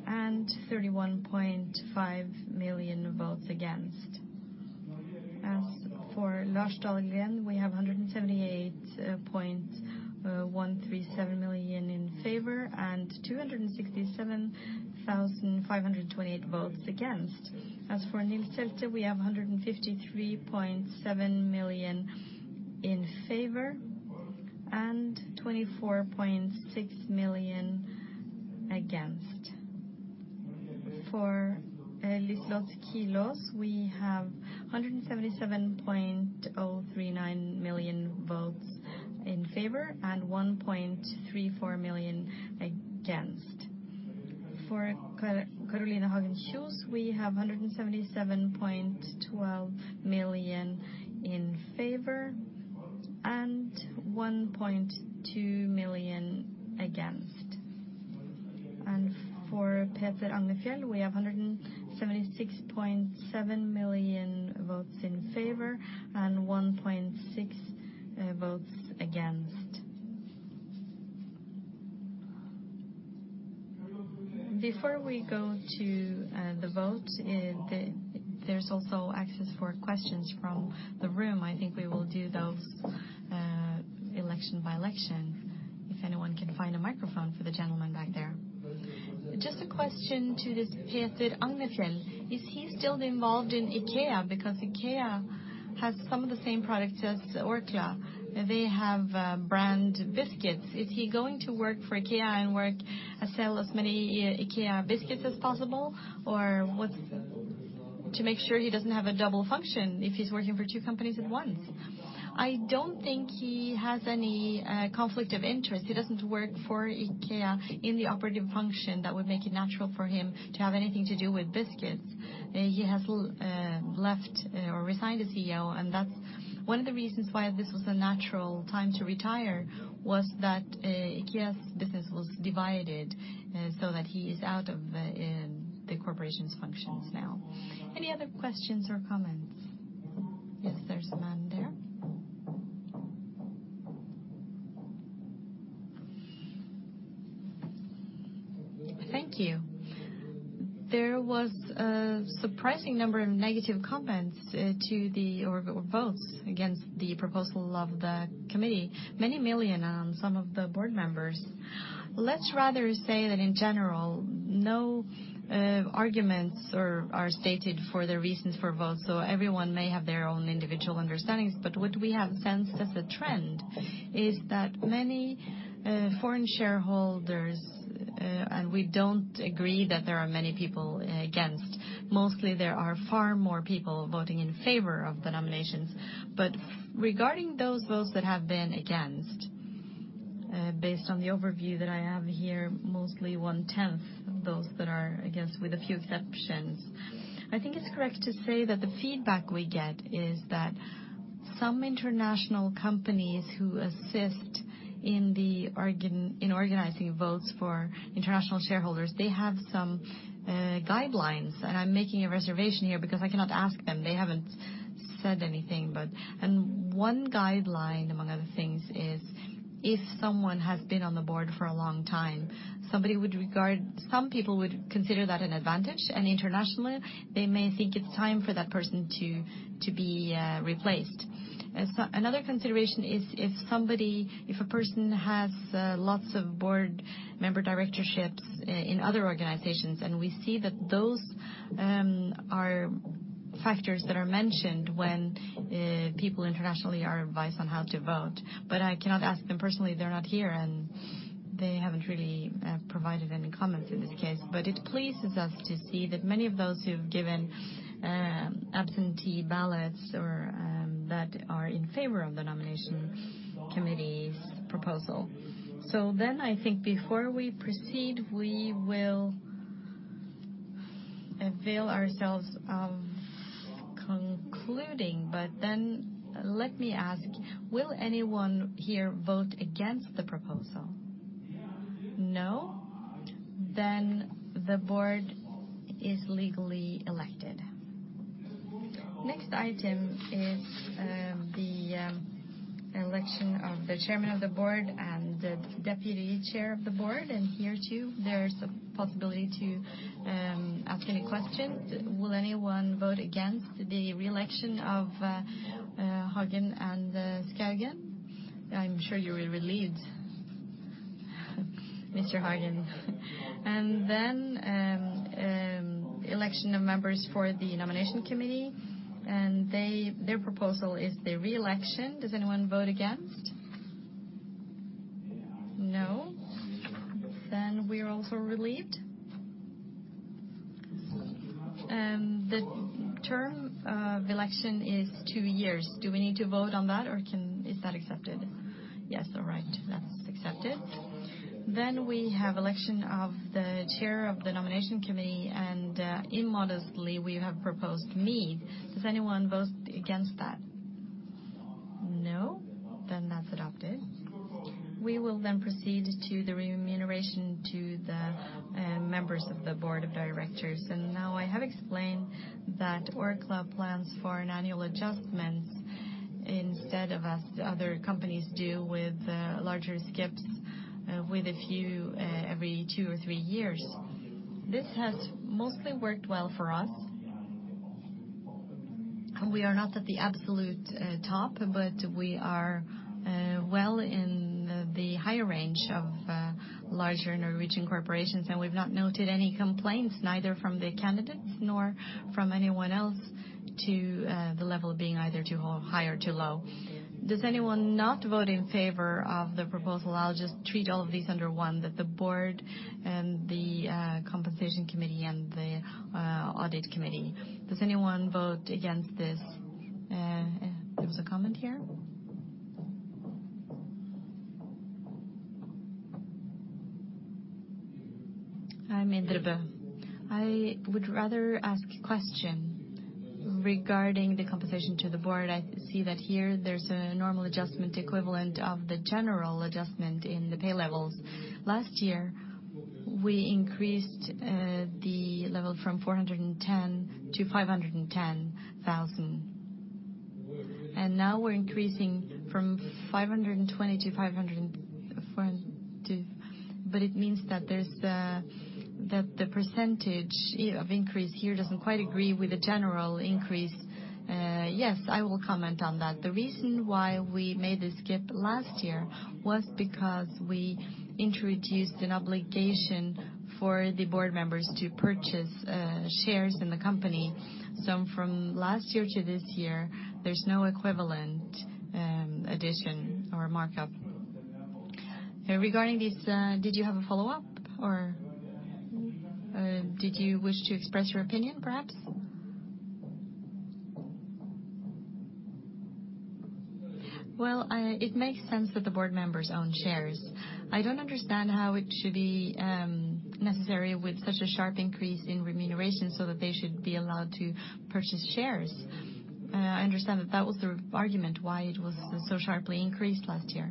and 31.5 million votes against. As for Lars Dahlgren, we have 178.137 million in favor, and 267,528 votes against. As for Nils Selte, we have 153.7 million in favor, and 24.6 million against. For Liselott Kilaas, we have 177.039 million votes in favor and 1.34 million against. For Caroline Hagen Kjos, we have 177.12 million in favor and 1.2 million against. And for Peter Agnefjäll, we have hundred and seventy-six point seven million votes in favor and one point six votes against. Before we go to the vote, there's also access for questions from the room. I think we will do those election by election, if anyone can find a microphone for the gentleman back there. Just a question to this Peter Agnefjäll. Is he still involved in IKEA? Because IKEA has some of the same products as Orkla. They have brand biscuits. Is he going to work for IKEA and work sell as many IKEA biscuits as possible? Or what's to make sure he doesn't have a double function if he's working for two companies at once. I don't think he has any conflict of interest. He doesn't work for IKEA in the operative function that would make it natural for him to have anything to do with biscuits. He has left, or resigned as CEO, and that's one of the reasons why this was a natural time to retire, was that, IKEA's business was divided, so that he is out of the corporation's functions now. Any other questions or comments? Yes, there's a man there. Thank you. There was a surprising number of negative comments or votes against the proposal of the committee, many million on some of the board members. Let's rather say that in general, no arguments are stated for the reasons for votes, so everyone may have their own individual understandings. But what we have sensed as a trend is that many foreign shareholders, and we don't agree that there are many people against. Mostly, there are far more people voting in favor of the nominations. But regarding those votes that have been against, based on the overview that I have here, mostly one tenth of those that are against, with a few exceptions. I think it's correct to say that the feedback we get is that some international companies who assist in organizing votes for international shareholders, they have some guidelines, and I'm making a reservation here because I cannot ask them. They haven't said anything, but... One guideline, among other things, is if someone has been on the board for a long time, some people would consider that an advantage, and internationally, they may think it's time for that person to be replaced. Another consideration is if somebody, if a person has lots of board member directorships in other organizations, and we see that those are factors that are mentioned when people internationally are advised on how to vote. But I cannot ask them personally. They're not here, and they haven't really provided any comments in this case. But it pleases us to see that many of those who've given absentee ballots or that are in favor of the Nomination Committee's proposal. So then I think before we proceed, we will avail ourselves of concluding, but then let me ask, will anyone here vote against the proposal? No. Then the board is legally elected. Next item is the election of the chairman of the board and the deputy chair of the board, and here, too, there is a possibility to ask any questions. Will anyone vote against the re-election of Hagen and Skaugen? I'm sure you are relieved, Mr. Hagen. And then election of members for the nomination committee, and their proposal is the re-election. Does anyone vote against? No. Then we are also relieved. The term of election is two years. Do we need to vote on that, or can... Is that accepted? Yes. All right, that's accepted. Then we have election of the chair of the Nomination Committee, and, immodestly, we have proposed me. Does anyone vote against that? No. Then that's adopted. We will then proceed to the remuneration to the members of the Board of Directors. And now, I have explained that Orkla plans for an annual adjustment instead of as other companies do with larger skips with a few every two or three years. This has mostly worked well for us. We are not at the absolute top, but we are well in the higher range of larger Norwegian corporations, and we've not noted any complaints, neither from the candidates nor from anyone else to the level of being either too high or too low. Does anyone not vote in favor of the proposal? I'll just treat all of these under one, that the board and the, Compensation Committee and the, Audit Committee. Does anyone vote against this? There was a comment here. I'm Indre Blank. I would rather ask a question regarding the compensation to the board. I see that here there's a normal adjustment equivalent of the general adjustment in the pay levels. Last year, we increased the level from 410,000 to 510,000, and now we're increasing from 520,000 to 542,000. But it means that the percentage of increase here doesn't quite agree with the general increase. Yes, I will comment on that. The reason why we made the skip last year was because we introduced an obligation for the board members to purchase shares in the company. So from last year to this year, there's no equivalent addition or markup. Regarding this, did you have a follow-up, or did you wish to express your opinion, perhaps? Well, it makes sense that the board members own shares. I don't understand how it should be necessary with such a sharp increase in remuneration so that they should be allowed to purchase shares. I understand that that was the argument why it was so sharply increased last year.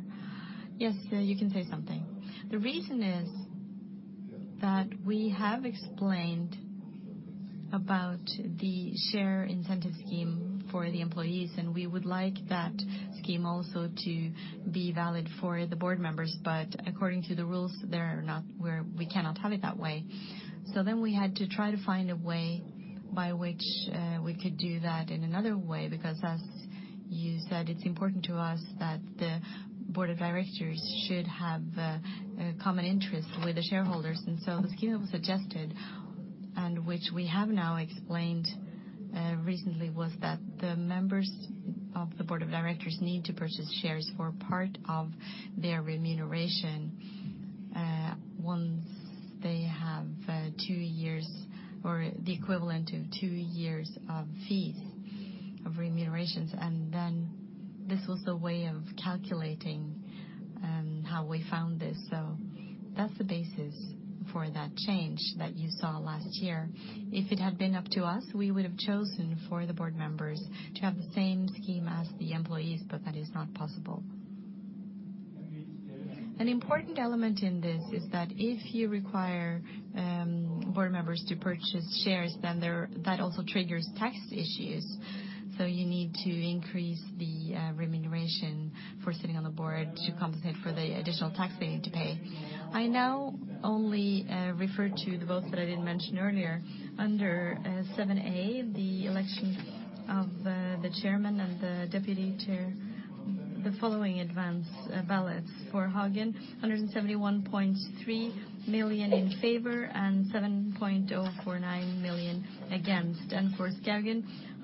Yes, you can say something. The reason is that we have explained about the share incentive scheme for the employees, and we would like that scheme also to be valid for the board members. But according to the rules, there are not where we cannot have it that way. So then we had to try to find a way by which we could do that in another way, because as you said, it's important to us that the Board of Directors should have a common interest with the shareholders. And so the scheme was suggested, and which we have now explained recently, was that the members of the Board of Directors need to purchase shares for part of their remuneration once they have two years or the equivalent of two years of fee, of remunerations. And then this was the way of calculating how we found this. So that's the basis for that change that you saw last year. If it had been up to us, we would have chosen for the board members to have the same scheme as the employees, but that is not possible. An important element in this is that if you require board members to purchase shares, then that also triggers tax issues. So you need to increase the remuneration for sitting on the board to compensate for the additional tax they need to pay. I now only refer to the votes that I didn't mention earlier. Under seven A, the elections of the chairman and the deputy chair, the following advance ballots. For Hagen, 171.3 million in favor and 7.049 million against. And for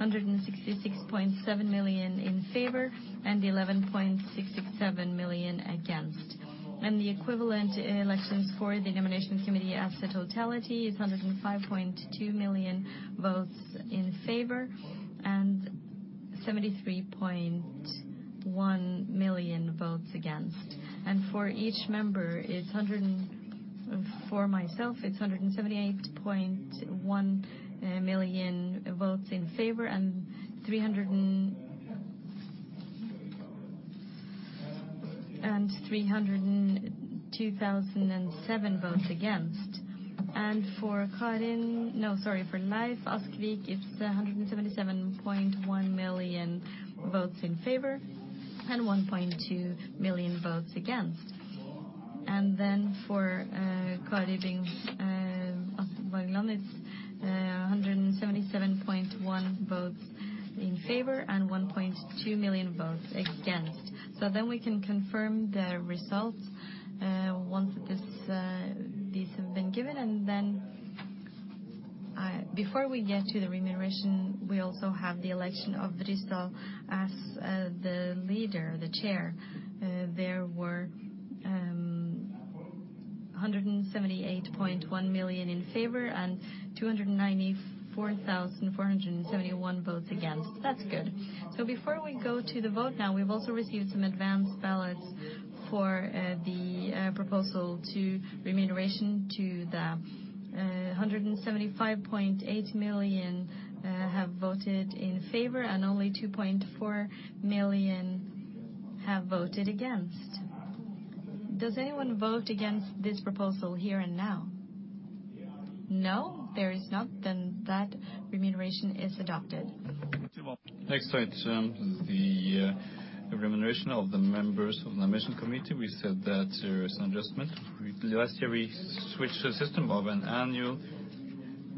Skaugen, 166.7 million in favor and 11.67 million against. And the equivalent elections for the Nomination Committee as a totality is 105.2 million votes in favor and 73.1 million votes against. And for each member, it's hundred and... for myself, it's 178.1 million votes in favor and 302,007 votes against. And for Karin, no, sorry, for Leif Askvig, it's 177.1 million votes in favor and 1.2 million votes against. And then for Karin Bing Orgland, it's 177.1 votes in favor and 1.2 million votes against. So then we can confirm the results once these have been given. And then before we get to the remuneration, we also have the election of Ryssdal as the leader, the chair. There were 178.1 million in favor and 294,471 votes against. That's good. Before we go to the vote now, we've also received some advanced ballots for the proposal to remuneration to the 175.8 million have voted in favor, and only 2.4 million have voted against. Does anyone vote against this proposal here and now? No, there is not. Then that remuneration is adopted. Next item is the remuneration of the members of the Nomination Committee. We said that there is an adjustment. Last year, we switched the system of an annual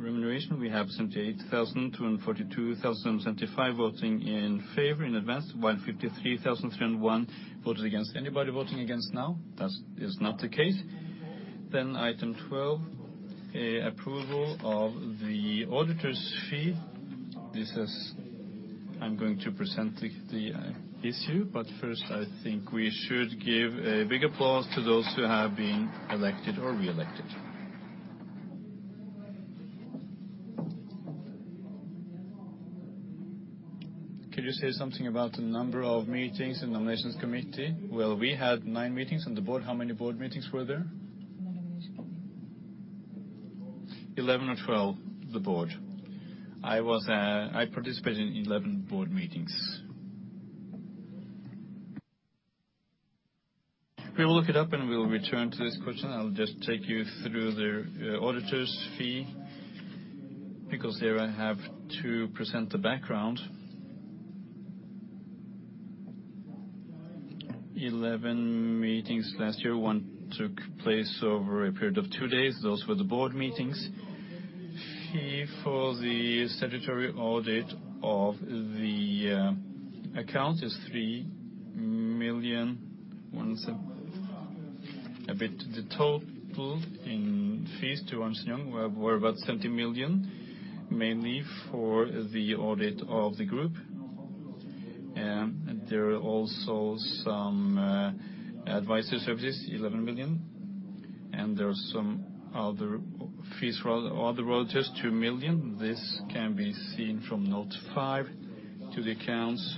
remuneration. We have 78,002 and 42,075 voting in favor in advance, while 53,301 voted against. Anybody voting against now? That is not the case. Then Item 12. Approval of the auditor's fee. This is, I'm going to present the issue, but first, I think we should give a big applause to those who have been elected or reelected. Could you say something about the number of meetings in the Nomination Committee? Well, we had nine meetings on the board. How many board meetings were there? Eleven or twelve, the board. I was, I participated in 11 board meetings. We will look it up, and we'll return to this question. I'll just take you through the auditor's fee, because there I have to present the background. Eleven meetings last year, one took place over a period of two days. Those were the board meetings. Fee for the statutory audit of the account is 3.17 million. The total in fees to Ernst & Young were about 70 million, mainly for the audit of the group. There are also some advisory services, 11 million, and there are some other fees for other auditors, 2 million. This can be seen from note 5 to the accounts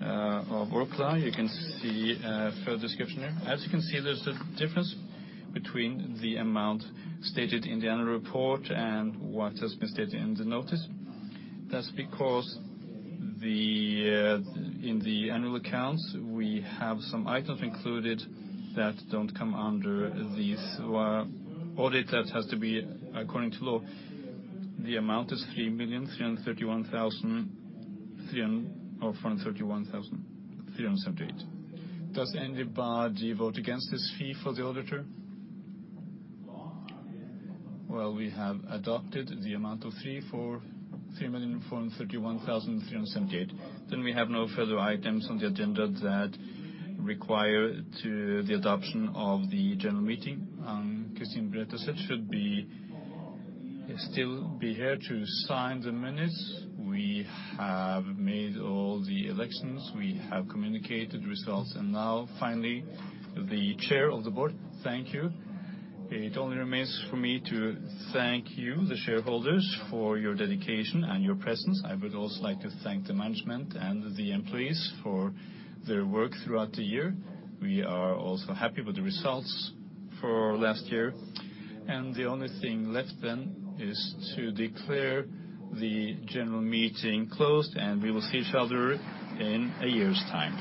of Orkla. You can see a further description there. As you can see, there's a difference between the amount stated in the annual report and what has been stated in the notice. That's because in the annual accounts, we have some items included that don't come under the audit. That has to be according to law. The amount is 3,331,378... or 3,431,378. Does anybody vote against this fee for the auditor? Well, we have adopted the amount of 3,431,378. Then we have no further items on the agenda that require the adoption of the general meeting. Kristine Brenna Sæth should still be here to sign the minutes. We have made all the elections. We have communicated results, and now, finally, the Chair of the Board. Thank you. It only remains for me to thank you, the shareholders, for your dedication and your presence. I would also like to thank the management and the employees for their work throughout the year. We are also happy with the results for last year, and the only thing left then is to declare the general meeting closed, and we will see each other in a year's time.